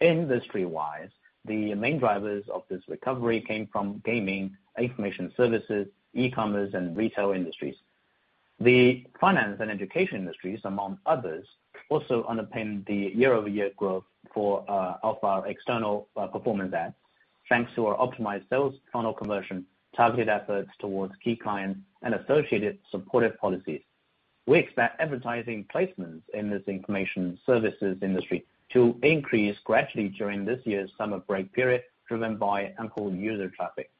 Industry-wise, the main drivers of this recovery came from gaming, information services, e-commerce and retail industries. The finance and education industries, among others, also underpinned the year-over-year growth of our external performance ads, thanks to our optimized sales funnel conversion, targeted efforts towards key clients and associated supportive policies. We expect advertising placements in this information services industry to increase gradually during this year's summer break period, driven by improved user traffic.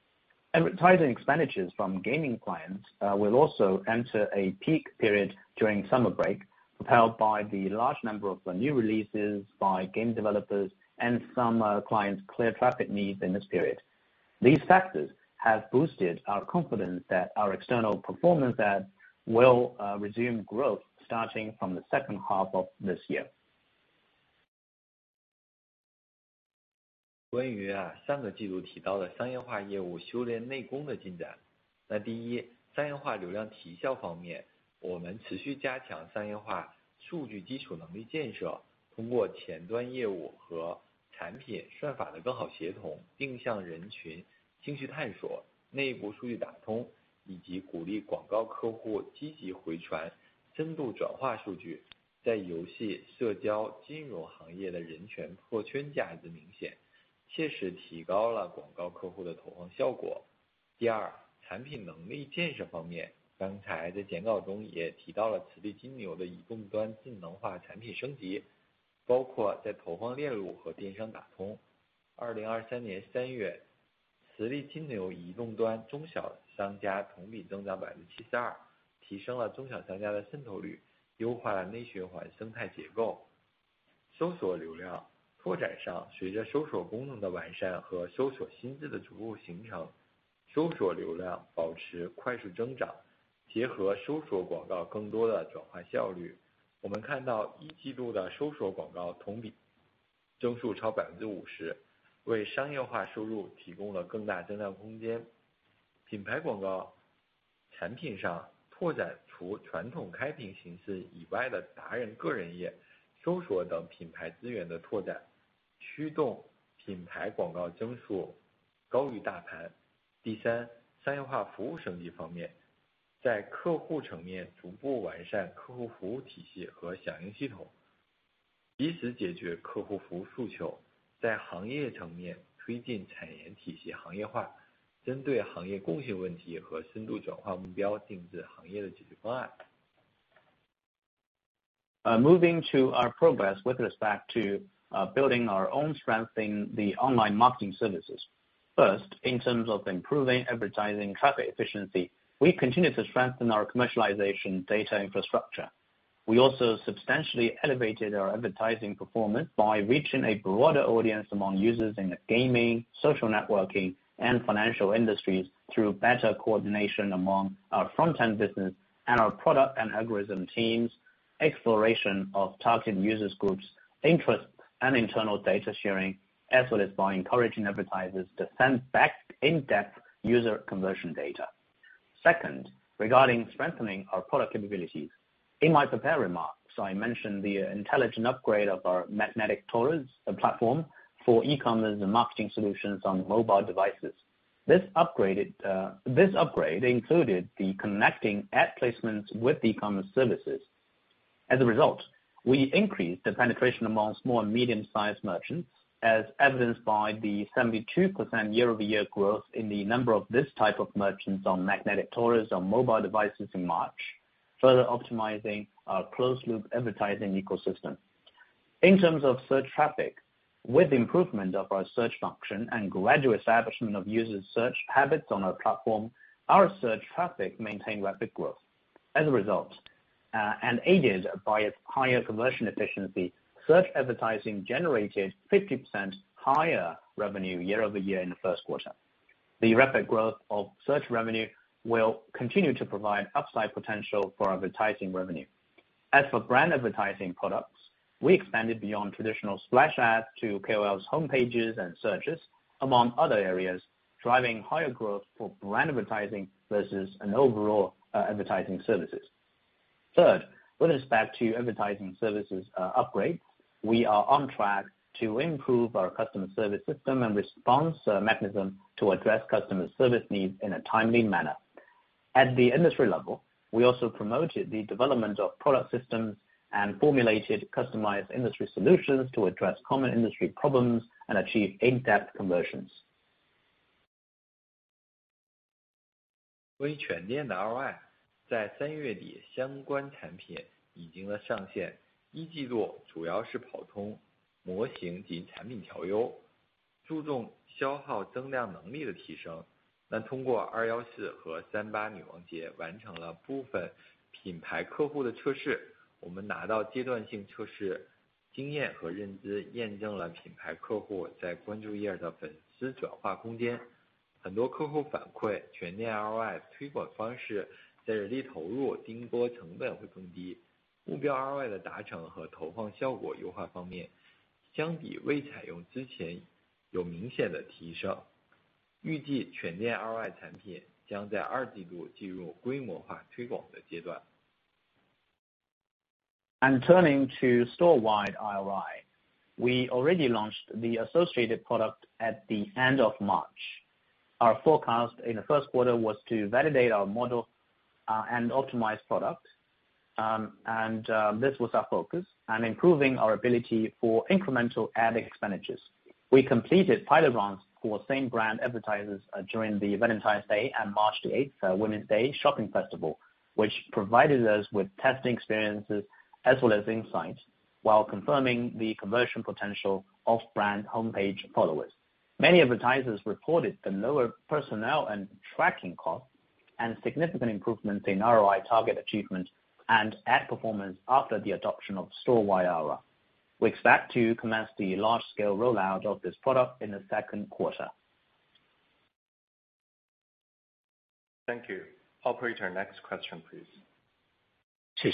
Advertising expenditures from gaming clients will also enter a peak period during summer break, propelled by the large number of new releases by game developers and some clients clear traffic needs in this period. These factors have boosted our confidence that our external performance ad will resume growth starting from the second half of this year. Moving to our progress with respect to building our own strength in the online marketing services. First, in terms of improving advertising traffic efficiency, we continue to strengthen our commercialization data infrastructure. We also substantially elevated our advertising performance by reaching a broader audience among users in the gaming, social networking, and financial industries through better coordination among our front-end business and our product and algorithm teams, exploration of targeted users groups interest and internal data sharing, as well as by encouraging advertisers to send back in-depth user conversion data. Second, regarding strengthening our product capabilities. In my prepared remarks, I mentioned the intelligent upgrade of our Magnetic Taurus, the platform for e-commerce and marketing solutions on mobile devices. This upgrade included the connecting ad placements with e-commerce services. As a result, we increased the penetration amongst small and medium-sized merchants, as evidenced by the 72% year-over-year growth in the number of this type of merchants on Magnetic Taurus on mobile devices in March, further optimizing our closed-loop advertising ecosystem. In terms of search traffic, with the improvement of our search function and gradual establishment of users search habits on our platform, our search traffic maintained rapid growth. As a result, and aided by its higher conversion efficiency, search advertising generated 50% higher revenue year-over-year in the first quarter. The rapid growth of search revenue will continue to provide upside potential for advertising revenue. As for brand advertising products, we expanded beyond traditional splash ads to KOLs homepages and searches, among other areas, driving higher growth for brand advertising versus an overall advertising services. Third, with respect to advertising services, upgrade, we are on track to improve our customer service system and response mechanism to address customer service needs in a timely manner. At the industry level, we also promoted the development of product systems and formulated customized industry solutions to address common industry problems and achieve in-depth conversions. Turning to store-wide ROI, we already launched the associated product at the end of March. Our forecast in the first quarter was to validate our model and optimize product. This was our focus on improving our ability for incremental ad expenditures. We completed pilot runs for same brand advertisers during Valentine's Day and March 8th, Women's Day shopping festival, which provided us with testing experiences as well as insights, while confirming the conversion potential of brand homepage followers. Many advertisers reported the lower personnel and tracking costs, and significant improvements in ROI target achievement and ad performance after the adoption of store-wide ROI. We expect to commence the large-scale rollout of this product in the second quarter. Thank you. Operator, next question, please. The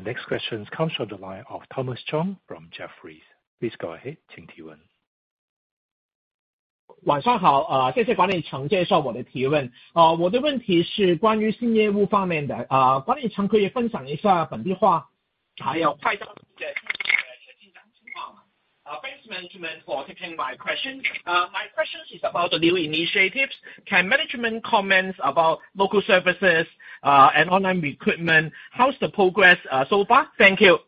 next question comes from the line of Thomas Chong from Jefferies. Please go ahead. 晚上 好， 谢谢管理层介绍我的提 问， 我的问题是关于新业务方面 的， 管理层可以分享一下本地化还有 Kuaishou 的进展情况。Thanks management for taking my question. My question is about the new initiatives. Can management comments about local services, and online recruitment? How's the progress so far? Thank you.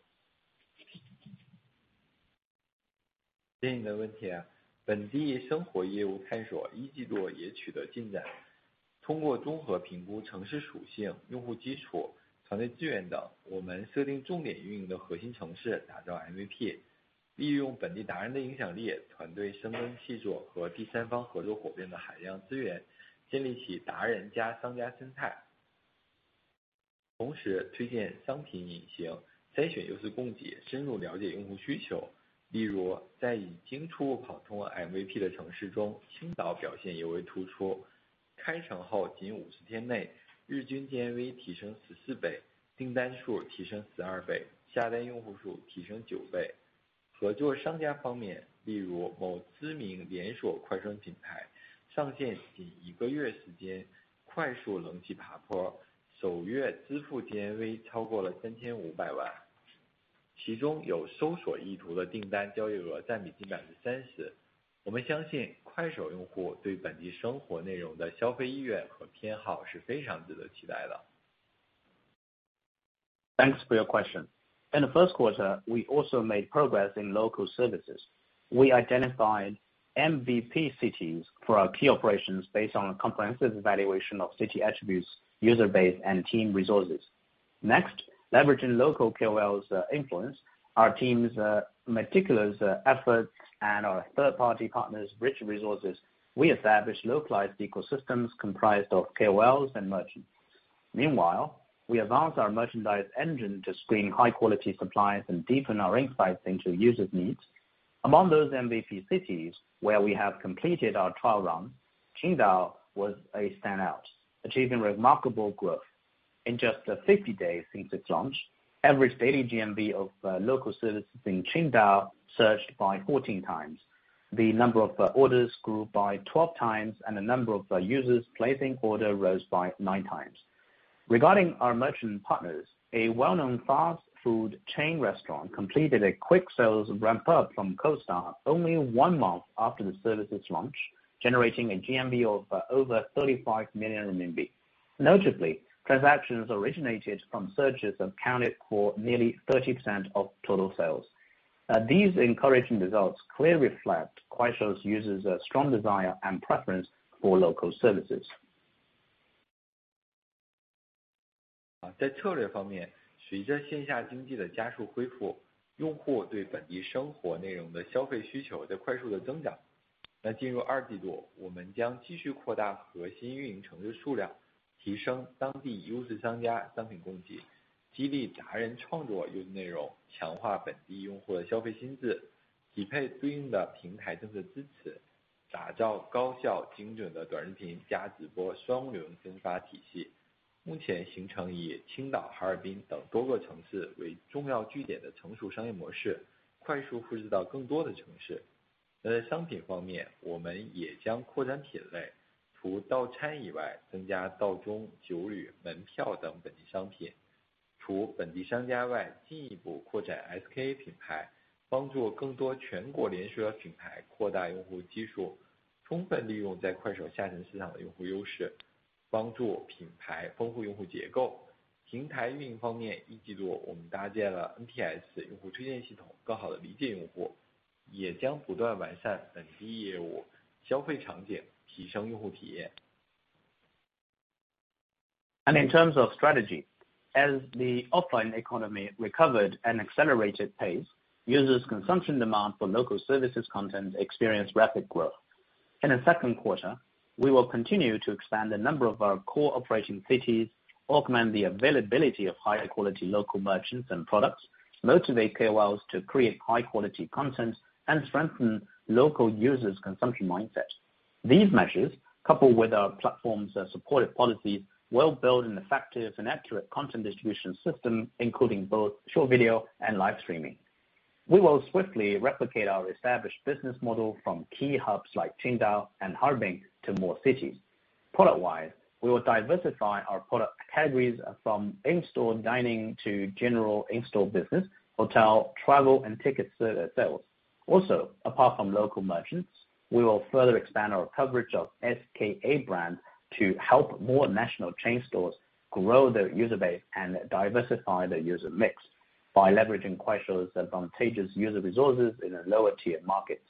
MVP 的城市中，青岛表现尤为突出。开城后仅 50 天内，日均 GMV 提升 14 倍，订单数提升 12 倍，下单用户数提升 9 倍。合作商家方面，例如某知名连锁快餐品牌，上线仅 1 个月时间，快速冷启爬坡，首月支付 GMV 超过了 35 million RMB，其中有搜索意图的订单交易额占比近 30%。我们相信 Kuaishou 用户对本地生活内容的消费意愿和偏好是非常值得期待的。Thanks for your question. In the first quarter, we also made progress in local services. We identified MVP cities for our key operations based on a comprehensive evaluation of city attributes, user base and team resources. Leverage local KOLs influence, our teams meticulous efforts and our third party partners rich resources, we establish localized ecosystems comprised of KOLs and merchants. Meanwhile, we advance our merchandise engine to screen high-quality suppliers and deepen our insights into users needs. Among those MVP cities where we have completed our trial run, Qingdao was a standout, achieving remarkable growth in just 50 days since its launch, average daily GMV of local services in Qingdao surged by 14 times. The number of orders grew by 12 times, and the number of users placing order rose by nine times. Regarding our merchant partners, a well-known fast food chain restaurant completed a quick sales ramp up from cold start only one month after the service's launch, generating a GMV of over 35 million RMB. Notably, transactions originated from searches accounted for nearly 30% of total sales. These encouraging results clearly reflect Kuaishou's users a strong desire and preference for local services. SKA 品牌，帮助更多全国连锁品牌扩大用户基础，充分利用在 Kuaishou 下沉市场的用户优势，帮助品牌丰富用户结构。平台运营方面，一季度我们搭建了 NPS 用户推荐系统，更好地理解用户，也将不断完善本地业务消费场景，提升用户体验。In terms of strategy, as the offline economy recovered and accelerated pace, users consumption demand for local services content experienced rapid growth. In the second quarter, we will continue to expand the number of our core operating cities, augment the availability of high quality local merchants and products, motivate KOLs to create high quality content and strengthen local users consumption mindset. These measures, coupled with our platforms supportive policy, will build an effective and accurate content distribution system, including both short video and live streaming. We will swiftly replicate our established business model from key hubs like Qingdao and Harbin to more cities. Product wise, we will diversify our product categories from in-store dining to general in-store business, hotel, travel and ticket sales. Apart from local merchants, we will further expand our coverage of SKA brand to help more national chain stores grow their user base and diversify their user mix by leveraging Kuaishou's advantageous user resources in a lower-tier markets.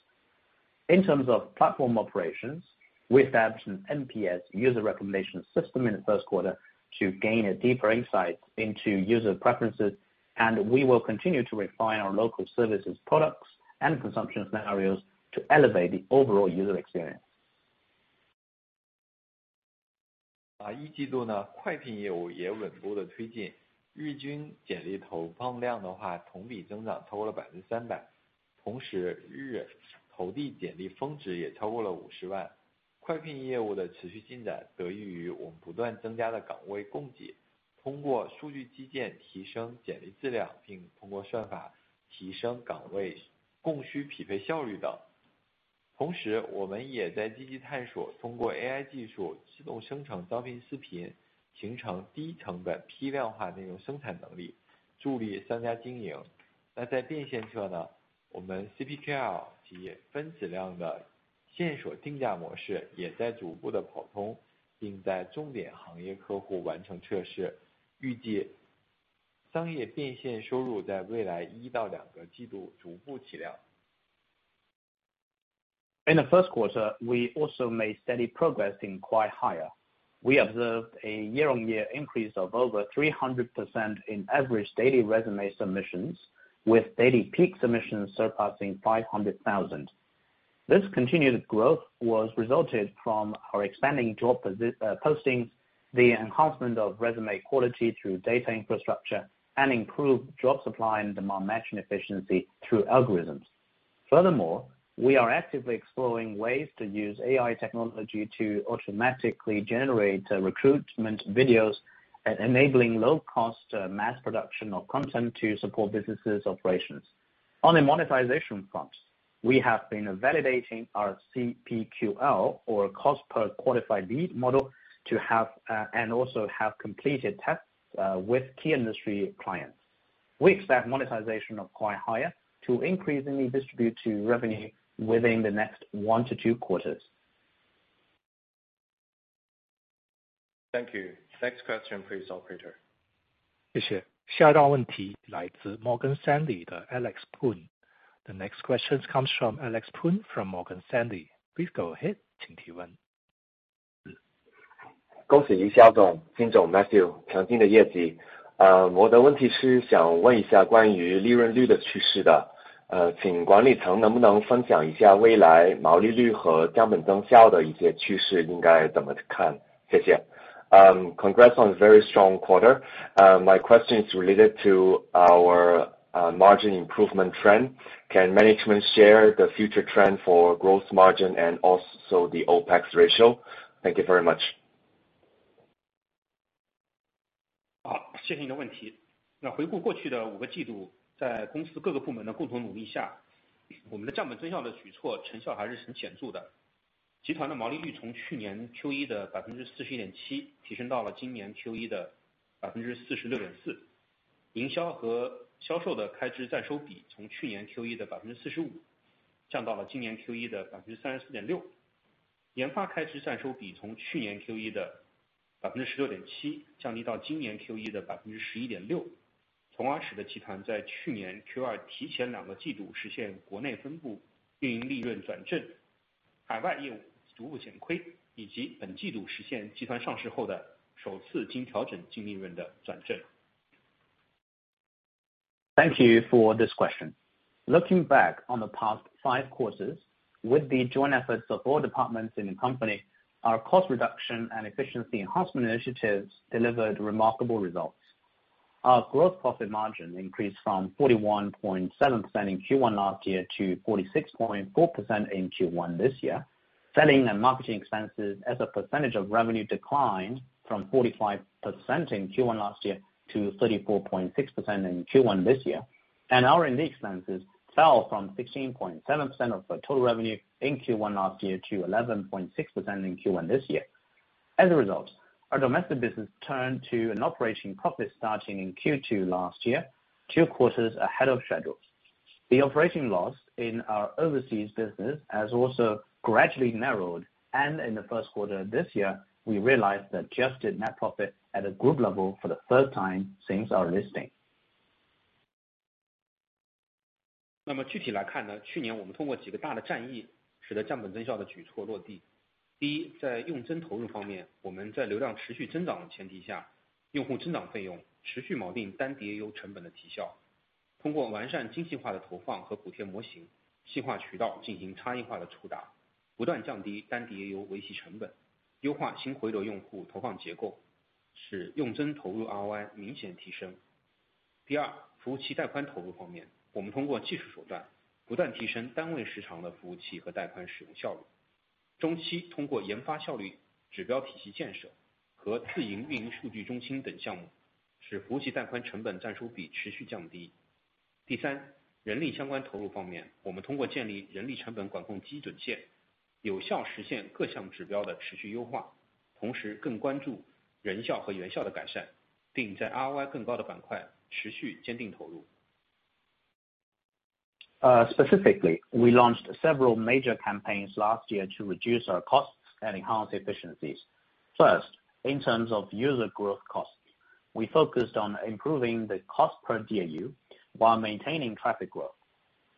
In terms of platform operations, we established an NPS user recommendation system in the first quarter to gain a deeper insight into user preferences, and we will continue to refine our local services, products and consumption scenarios to elevate the overall user experience. 啊一季度 呢， 快聘业务也稳步地推 进， 日均简历投放量的 话， 同比增长超过了百分之三百，同时日投递简历峰值也超过了五十万。快聘业务的持续进展得益于我们不断增加的岗位供 给， 通过数据基建提升简历质 量， 并通过算法提升岗位供需匹配效率等。同时我们也在积极探 索， 通过 AI 技术自动生成招聘视 频， 形成低成本批量化内容生产能 力， 助力商家经营。那在变现侧 呢， 我们 CPQL 及分质量的线索定价模式也在逐步地共 通， 并在重点行业客户完成测 试， 预计商业变现收入在未来一到两个季度逐步起量。In the first quarter, we also made steady progress in Kwai Hire. We observed a year-on-year increase of over 300% in average daily resume submissions, with daily peak submissions surpassing 500,000. This continued growth was resulted from our expanding job posting, the enhancement of resume quality through data infrastructure and improved job supply and demand matching efficiency through algorithms. Furthermore, we are actively exploring ways to use AI technology to automatically generate recruitment videos enabling low-cost mass production of content to support businesses operations. On the monetization front, we have been validating our CPQL or cost per qualified lead model and also have completed tests with key industry clients. We expect monetization of Kwai Hire to increasingly distribute to revenue within the next one to two quarters. Thank you. Next question please operator. 谢谢。下一道问题来自 Morgan Stanley 的 Alex Poon。The next question comes from Alex Poon from Morgan Stanley. Please go ahead. 请提问。恭喜 Yixiao 总， Jin 总 ，Matthew 强劲的业绩。我的问题是想问一下关于利润率的趋势 的， 请管理层能不能分享一下未来毛利率和账本增效的一些趋势应该怎么 看？ 谢谢。Congrats on a very strong quarter. My question is related to our margin improvement trend. Can management share the future trend for gross margin and also the OpEx ratio? Thank you very much. 好， 谢谢你的问题。那回顾过去的五个季度，在公司各个部门的共同努力 下， 我们的账本增效的举措成效还是很显著的。集团的毛利率从去年 Q1 的百分之四十点七提升到了今年 Q1 的百分之四十六点四。营销和销售的开支占收比从去年 Q1 的百分之四十五降到了今年 Q1 的百分之三十四点六。研发开支占收比从去年 Q1 的百分之十六点七降低到今年 Q1 的百分之十一点 六， 从而使得集团在去年 Q2 提前两个季度实现国内分部运营利润转正。海外业务逐步减 亏， 以及本季度实现集团上市后的首次经调整净利润的转正。Thank you for this question. Looking back on the past five quarters with the joint efforts of all departments in the company, our cost reduction and efficiency enhancement initiatives delivered remarkable results. Our gross profit margin increased from 41.7% in Q1 last year to 46.4% in Q1 this year. Selling and marketing expenses as a percentage of revenue declined from 45% in Q1 last year to 34.6% in Q1 this year. Our R&D expenses fell from 16.7% of the total revenue in Q1 last year to 11.6% in Q1 this year. As a result, our domestic business turned to an operating profit starting in Q2 last year, two quarters ahead of schedule. The operating loss in our overseas business has also gradually narrowed, and in the first quarter this year, we realized adjusted net profit at a group level for the first time since our listing. 具体来看 呢, 去年我们通过几个大的战役使得账本增效的举措落 地. 第 一, 在用真投入方 面, 我们在流量持续增长的前提 下, 用户增长费用持续锚定单 DAU 成本的提 效, 通过完善精细化的投放和补贴模 型, 细化渠道进行差异化的触 达, 不断降低单 DAU 维系成 本, 优化新回流用户投放结 构, 使用真投入 ROI 明显提 升. 第 二, 服务器带宽投入方 面, 我们通过技术手段不断提升单位时长的服务器和带宽使用效 率. 中期通过研发效率指标体系建设和自营运营数据中心等项 目, 使服务器带宽成本占收比持续降 低. 第 三, 人力相关投入方 面, 我们通过建立人力成本管控基准 线, 有效实现各项指标的持续优 化, 同时更关注人效和员效的改 善, 并在 ROI 更高的板块持续坚定投 入. Specifically, we launched several major campaigns last year to reduce our costs and enhance efficiencies. First, in terms of user growth costs, we focused on improving the cost per DAU while maintaining traffic growth.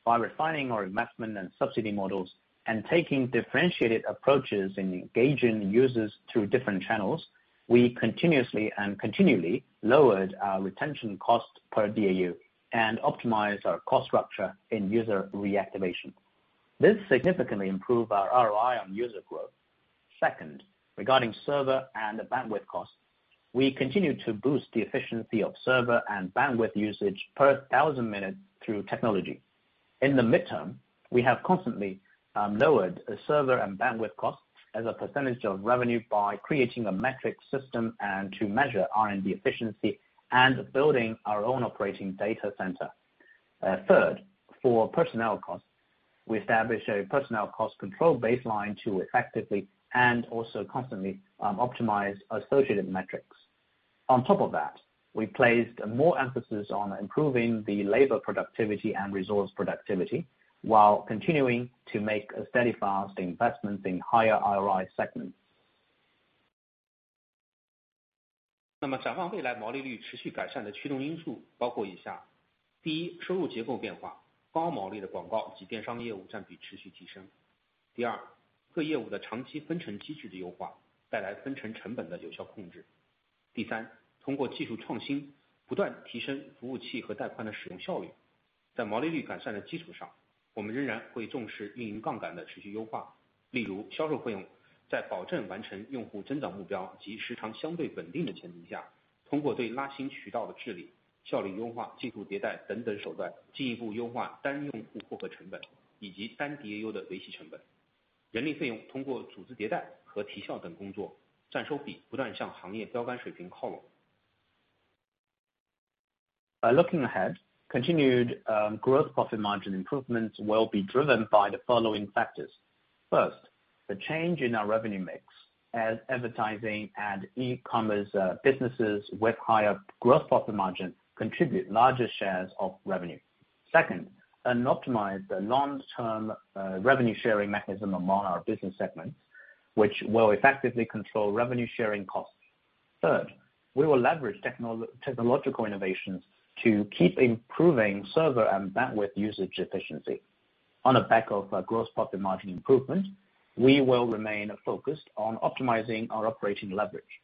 By refining our investment and subsidy models and taking differentiated approaches in engaging users through different channels, we continuously and continually lowered our retention cost per DAU and optimize our cost structure in user reactivation. This significantly improve our ROI on user growth. Second, regarding server and bandwidth costs, we continue to boost the efficiency of server and bandwidth usage per thousand minutes through technology. In the midterm, we have constantly lowered server and bandwidth costs as a percentage of revenue by creating a metric system and to measure R&D efficiency and building our own operating data center. Third, for personnel costs, we established a personnel cost control baseline to effectively and also constantly optimize associated metrics. On top of that, we placed more emphasis on improving the labor productivity and resource productivity while continuing to make a steady fast investment in higher ROI segments. 那么展望未 来， 毛利率持续改善的驱动因素包括以 下： 第 一， 收入结构变 化， 高毛利的广告及电商业务占比持续提升。第 二， 各业务的长期分成机制的优 化， 带来分成成本的有效控制。第 三， 通过技术创 新， 不断提升服务器和带宽的使用效率。在毛利率改善的基础 上， 我们仍然会重视运营杠杆的持续优 化， 例如销售费用在保证完成用户增长目标及时长相对稳定的前提 下， 通过对拉新渠道的治理、效率优化、技术迭代等等手 段， 进一步优化单用户获客成本以及单 DAU 的维系成本。人力费用通过组织迭代和提效等工 作， 占收比不断向行业标杆水平靠拢。By looking ahead, continued gross profit margin improvements will be driven by the following factors. First, the change in our revenue mix as advertising and e-commerce businesses with higher gross profit margin contribute larger shares of revenue. Second, an optimized long-term revenue sharing mechanism among our business segments, which will effectively control revenue sharing costs. Third, we will leverage technological innovations to keep improving server and bandwidth usage efficiency. On the back of our gross profit margin improvement, we will remain focused on optimizing our operating leverage.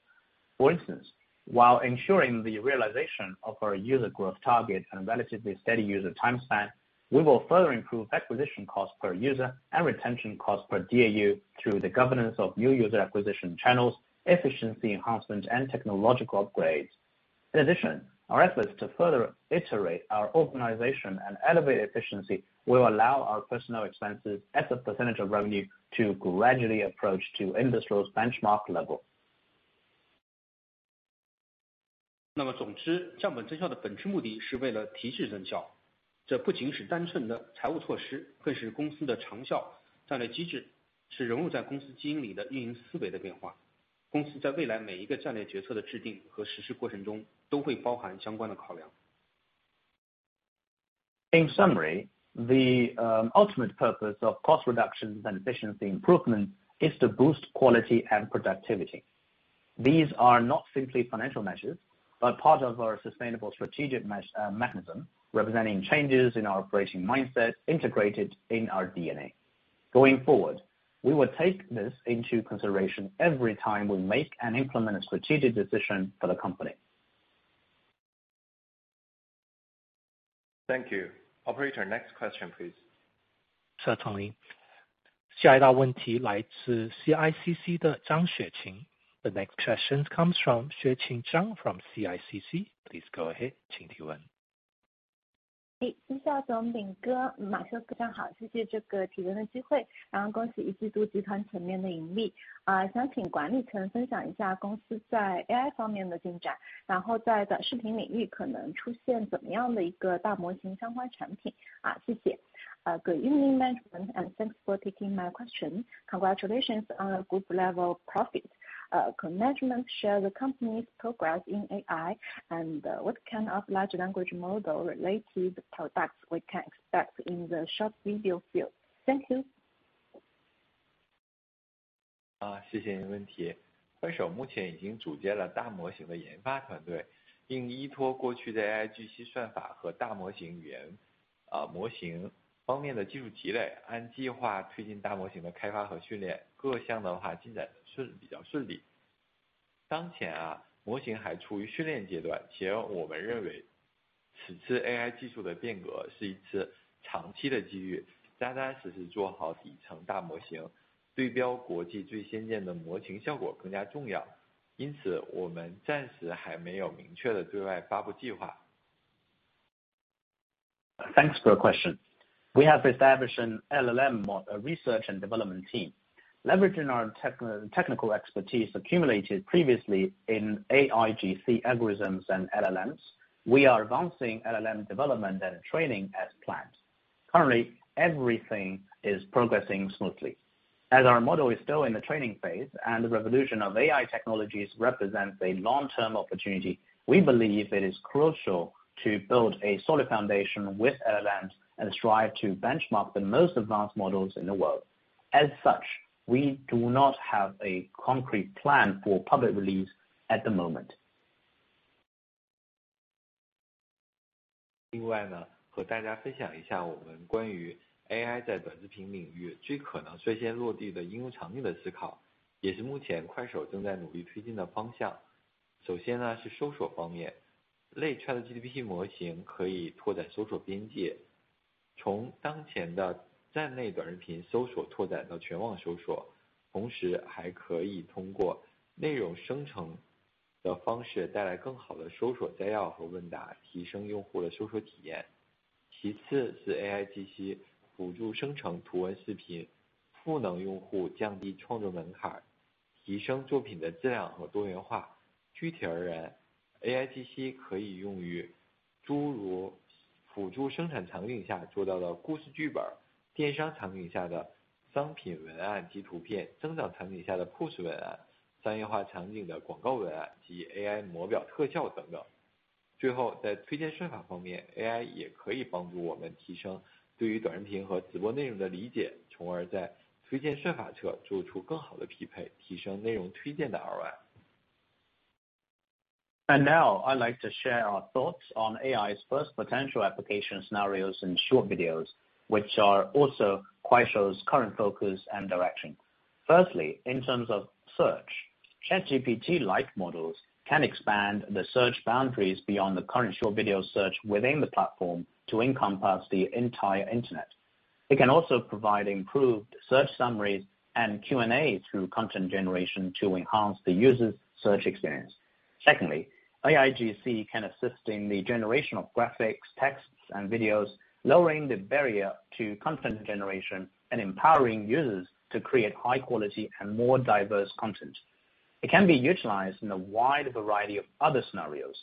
For instance, while ensuring the realization of our user growth target and relatively steady user time span, we will further improve acquisition costs per user and retention costs per DAU through the governance of new user acquisition channels, efficiency enhancements and technological upgrades. Our efforts to further iterate our organization and elevate efficiency will allow our personnel expenses as a % of revenue to gradually approach to industry's benchmark level. 那么总 之， 降本增效的本质目的是为了提升效。这不仅是单纯的财务措 施， 更是公司的长效战略机 制， 是融入在公司基因里的运营思维的变化。公司在未来每一个战略决策的制定和实施过程 中， 都会包含相关的考量。In summary, the ultimate purpose of cost reductions and efficiency improvement is to boost quality and productivity. These are not simply financial measures, but part of our sustainable strategic mechanism representing changes in our operating mindset integrated in our DNA. Going forward, we will take this into consideration every time we make and implement a strategic decision for the company. Thank you. Operator, next question, please. Sure thing. 下一道问题来自 CICC 的张雪琴。The next question comes from Xueqing Zhang from CICC. Please go ahead. 请提问。你 好， Yixiao 总， Jin Bing 哥， Matthew Zhao 哥， 大家 好， 谢谢这个提问的机 会， 然后恭喜一季度集团前面的盈利。想请管理层分享一下公司在 AI 方面的进 展， 然后在短视频领域可能出现怎么样的一个大模型相关产品。谢谢。Good evening management, thanks for taking my question. Congratulations on a group level profit. Could management share the company's progress in AI? What kind of large language model related products we can expect in the short video field? Thank you. 啊， 谢谢问题。快手目前已经组建了大模型的研发团 队， 并依托过去的 AIGC 算法和大模型语 言， 呃， 模型方面的技术积 累， 按计划推进大模型的开发和训练。各项的话进展是比较顺利。当前 啊， 模型还处于训练阶 段， 且我们认为此次 AI 技术的变革是一次长期的机 遇， 踏踏实实做好底层大模 型， 对标国际最先进的模型效果更加重要。因 此， 我们暂时还没有明确的对外发布计划。Thanks for your question. We have established an LLM research and development team. Leveraging our technical expertise accumulated previously in AIGC algorithms and LLMs, we are advancing LLM development and training as planned. Currently, everything is progressing smoothly. As our model is still in the training phase and the revolution of AI technologies represents a long-term opportunity, we believe it is crucial to build a solid foundation with LLMs and strive to benchmark the most advanced models in the world. As such, we do not have a concrete plan for public release at the moment. 另外呢，和大家分享一下我们关于AI在短视频领域最可能率先落地的应用场景的思考，也是目前Kuaishou正在努力推进的方向。首先呢，是搜索方面。类 ChatGPT 模型可以拓展搜索边界，从当前的站内短视频搜索拓展到全网搜索，同时还可以通过内容生成的方式带来更好的搜索摘要和问答，提升用户的搜索体验。其次是 AIGC 辅助生成图文视频，赋能用户降低创作门槛，提升作品的质量和多元化。具体而言，AIGC 可以用于诸如辅助生产场景下做到的故事剧本，电商场景下的商品文案及图片，增长场景下的 posts 文案，商业化场景的广告文案及 AI 模表特效等等。最后，在推荐算法方面，AI 也可以帮助我们提升对于短视频和直播内容的理解，从而在推荐算法侧做出更好的匹配，提升内容推荐的 ROI。Now I'd like to share our thoughts on AI's first potential application scenarios in short videos, which are also Kuaishou's current focus and direction. Firstly, in terms of search, ChatGPT-like models can expand the search boundaries beyond the current short video search within the platform to encompass the entire Internet. It can also provide improved search summaries and Q&A through content generation to enhance the user's search experience. Secondly, AIGC can assist in the generation of graphics, texts and videos, lowering the barrier to content generation and empowering users to create high-quality and more diverse content. It can be utilized in a wide variety of other scenarios.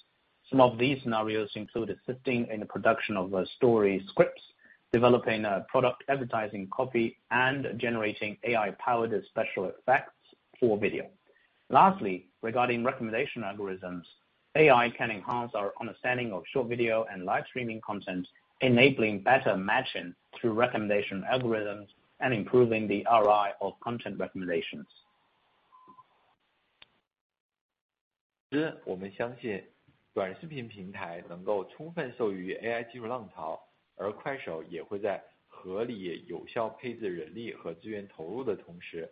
Some of these scenarios include assisting in the production of story scripts, developing product advertising copy, and generating AI-powered special effects for video. Lastly, regarding recommendation algorithms, AI can enhance our understanding of short video and live streaming content, enabling better matching through recommendation algorithms and improving the ROI of content recommendations. 总 之， 我们相信短视频平台能够充分受益于 AI 技术浪 潮， 而快手也会在合理有效配置人力和资源投入的同 时，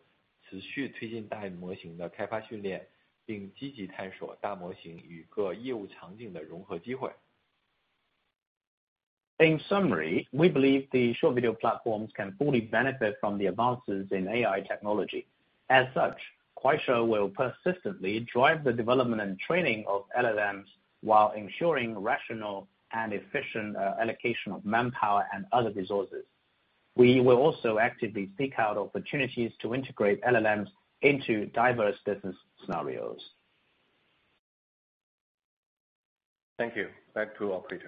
持续推进大模型的开发训 练， 并积极探索大模型与各业务场景的融合机 会. In summary, we believe the short video platforms can fully benefit from the advances in AI technology. As such, Kuaishou will persistently drive the development and training of LLMs while ensuring rational and efficient allocation of manpower and other resources. We will also actively seek out opportunities to integrate LLMs into diverse business scenarios. Thank you back to operator.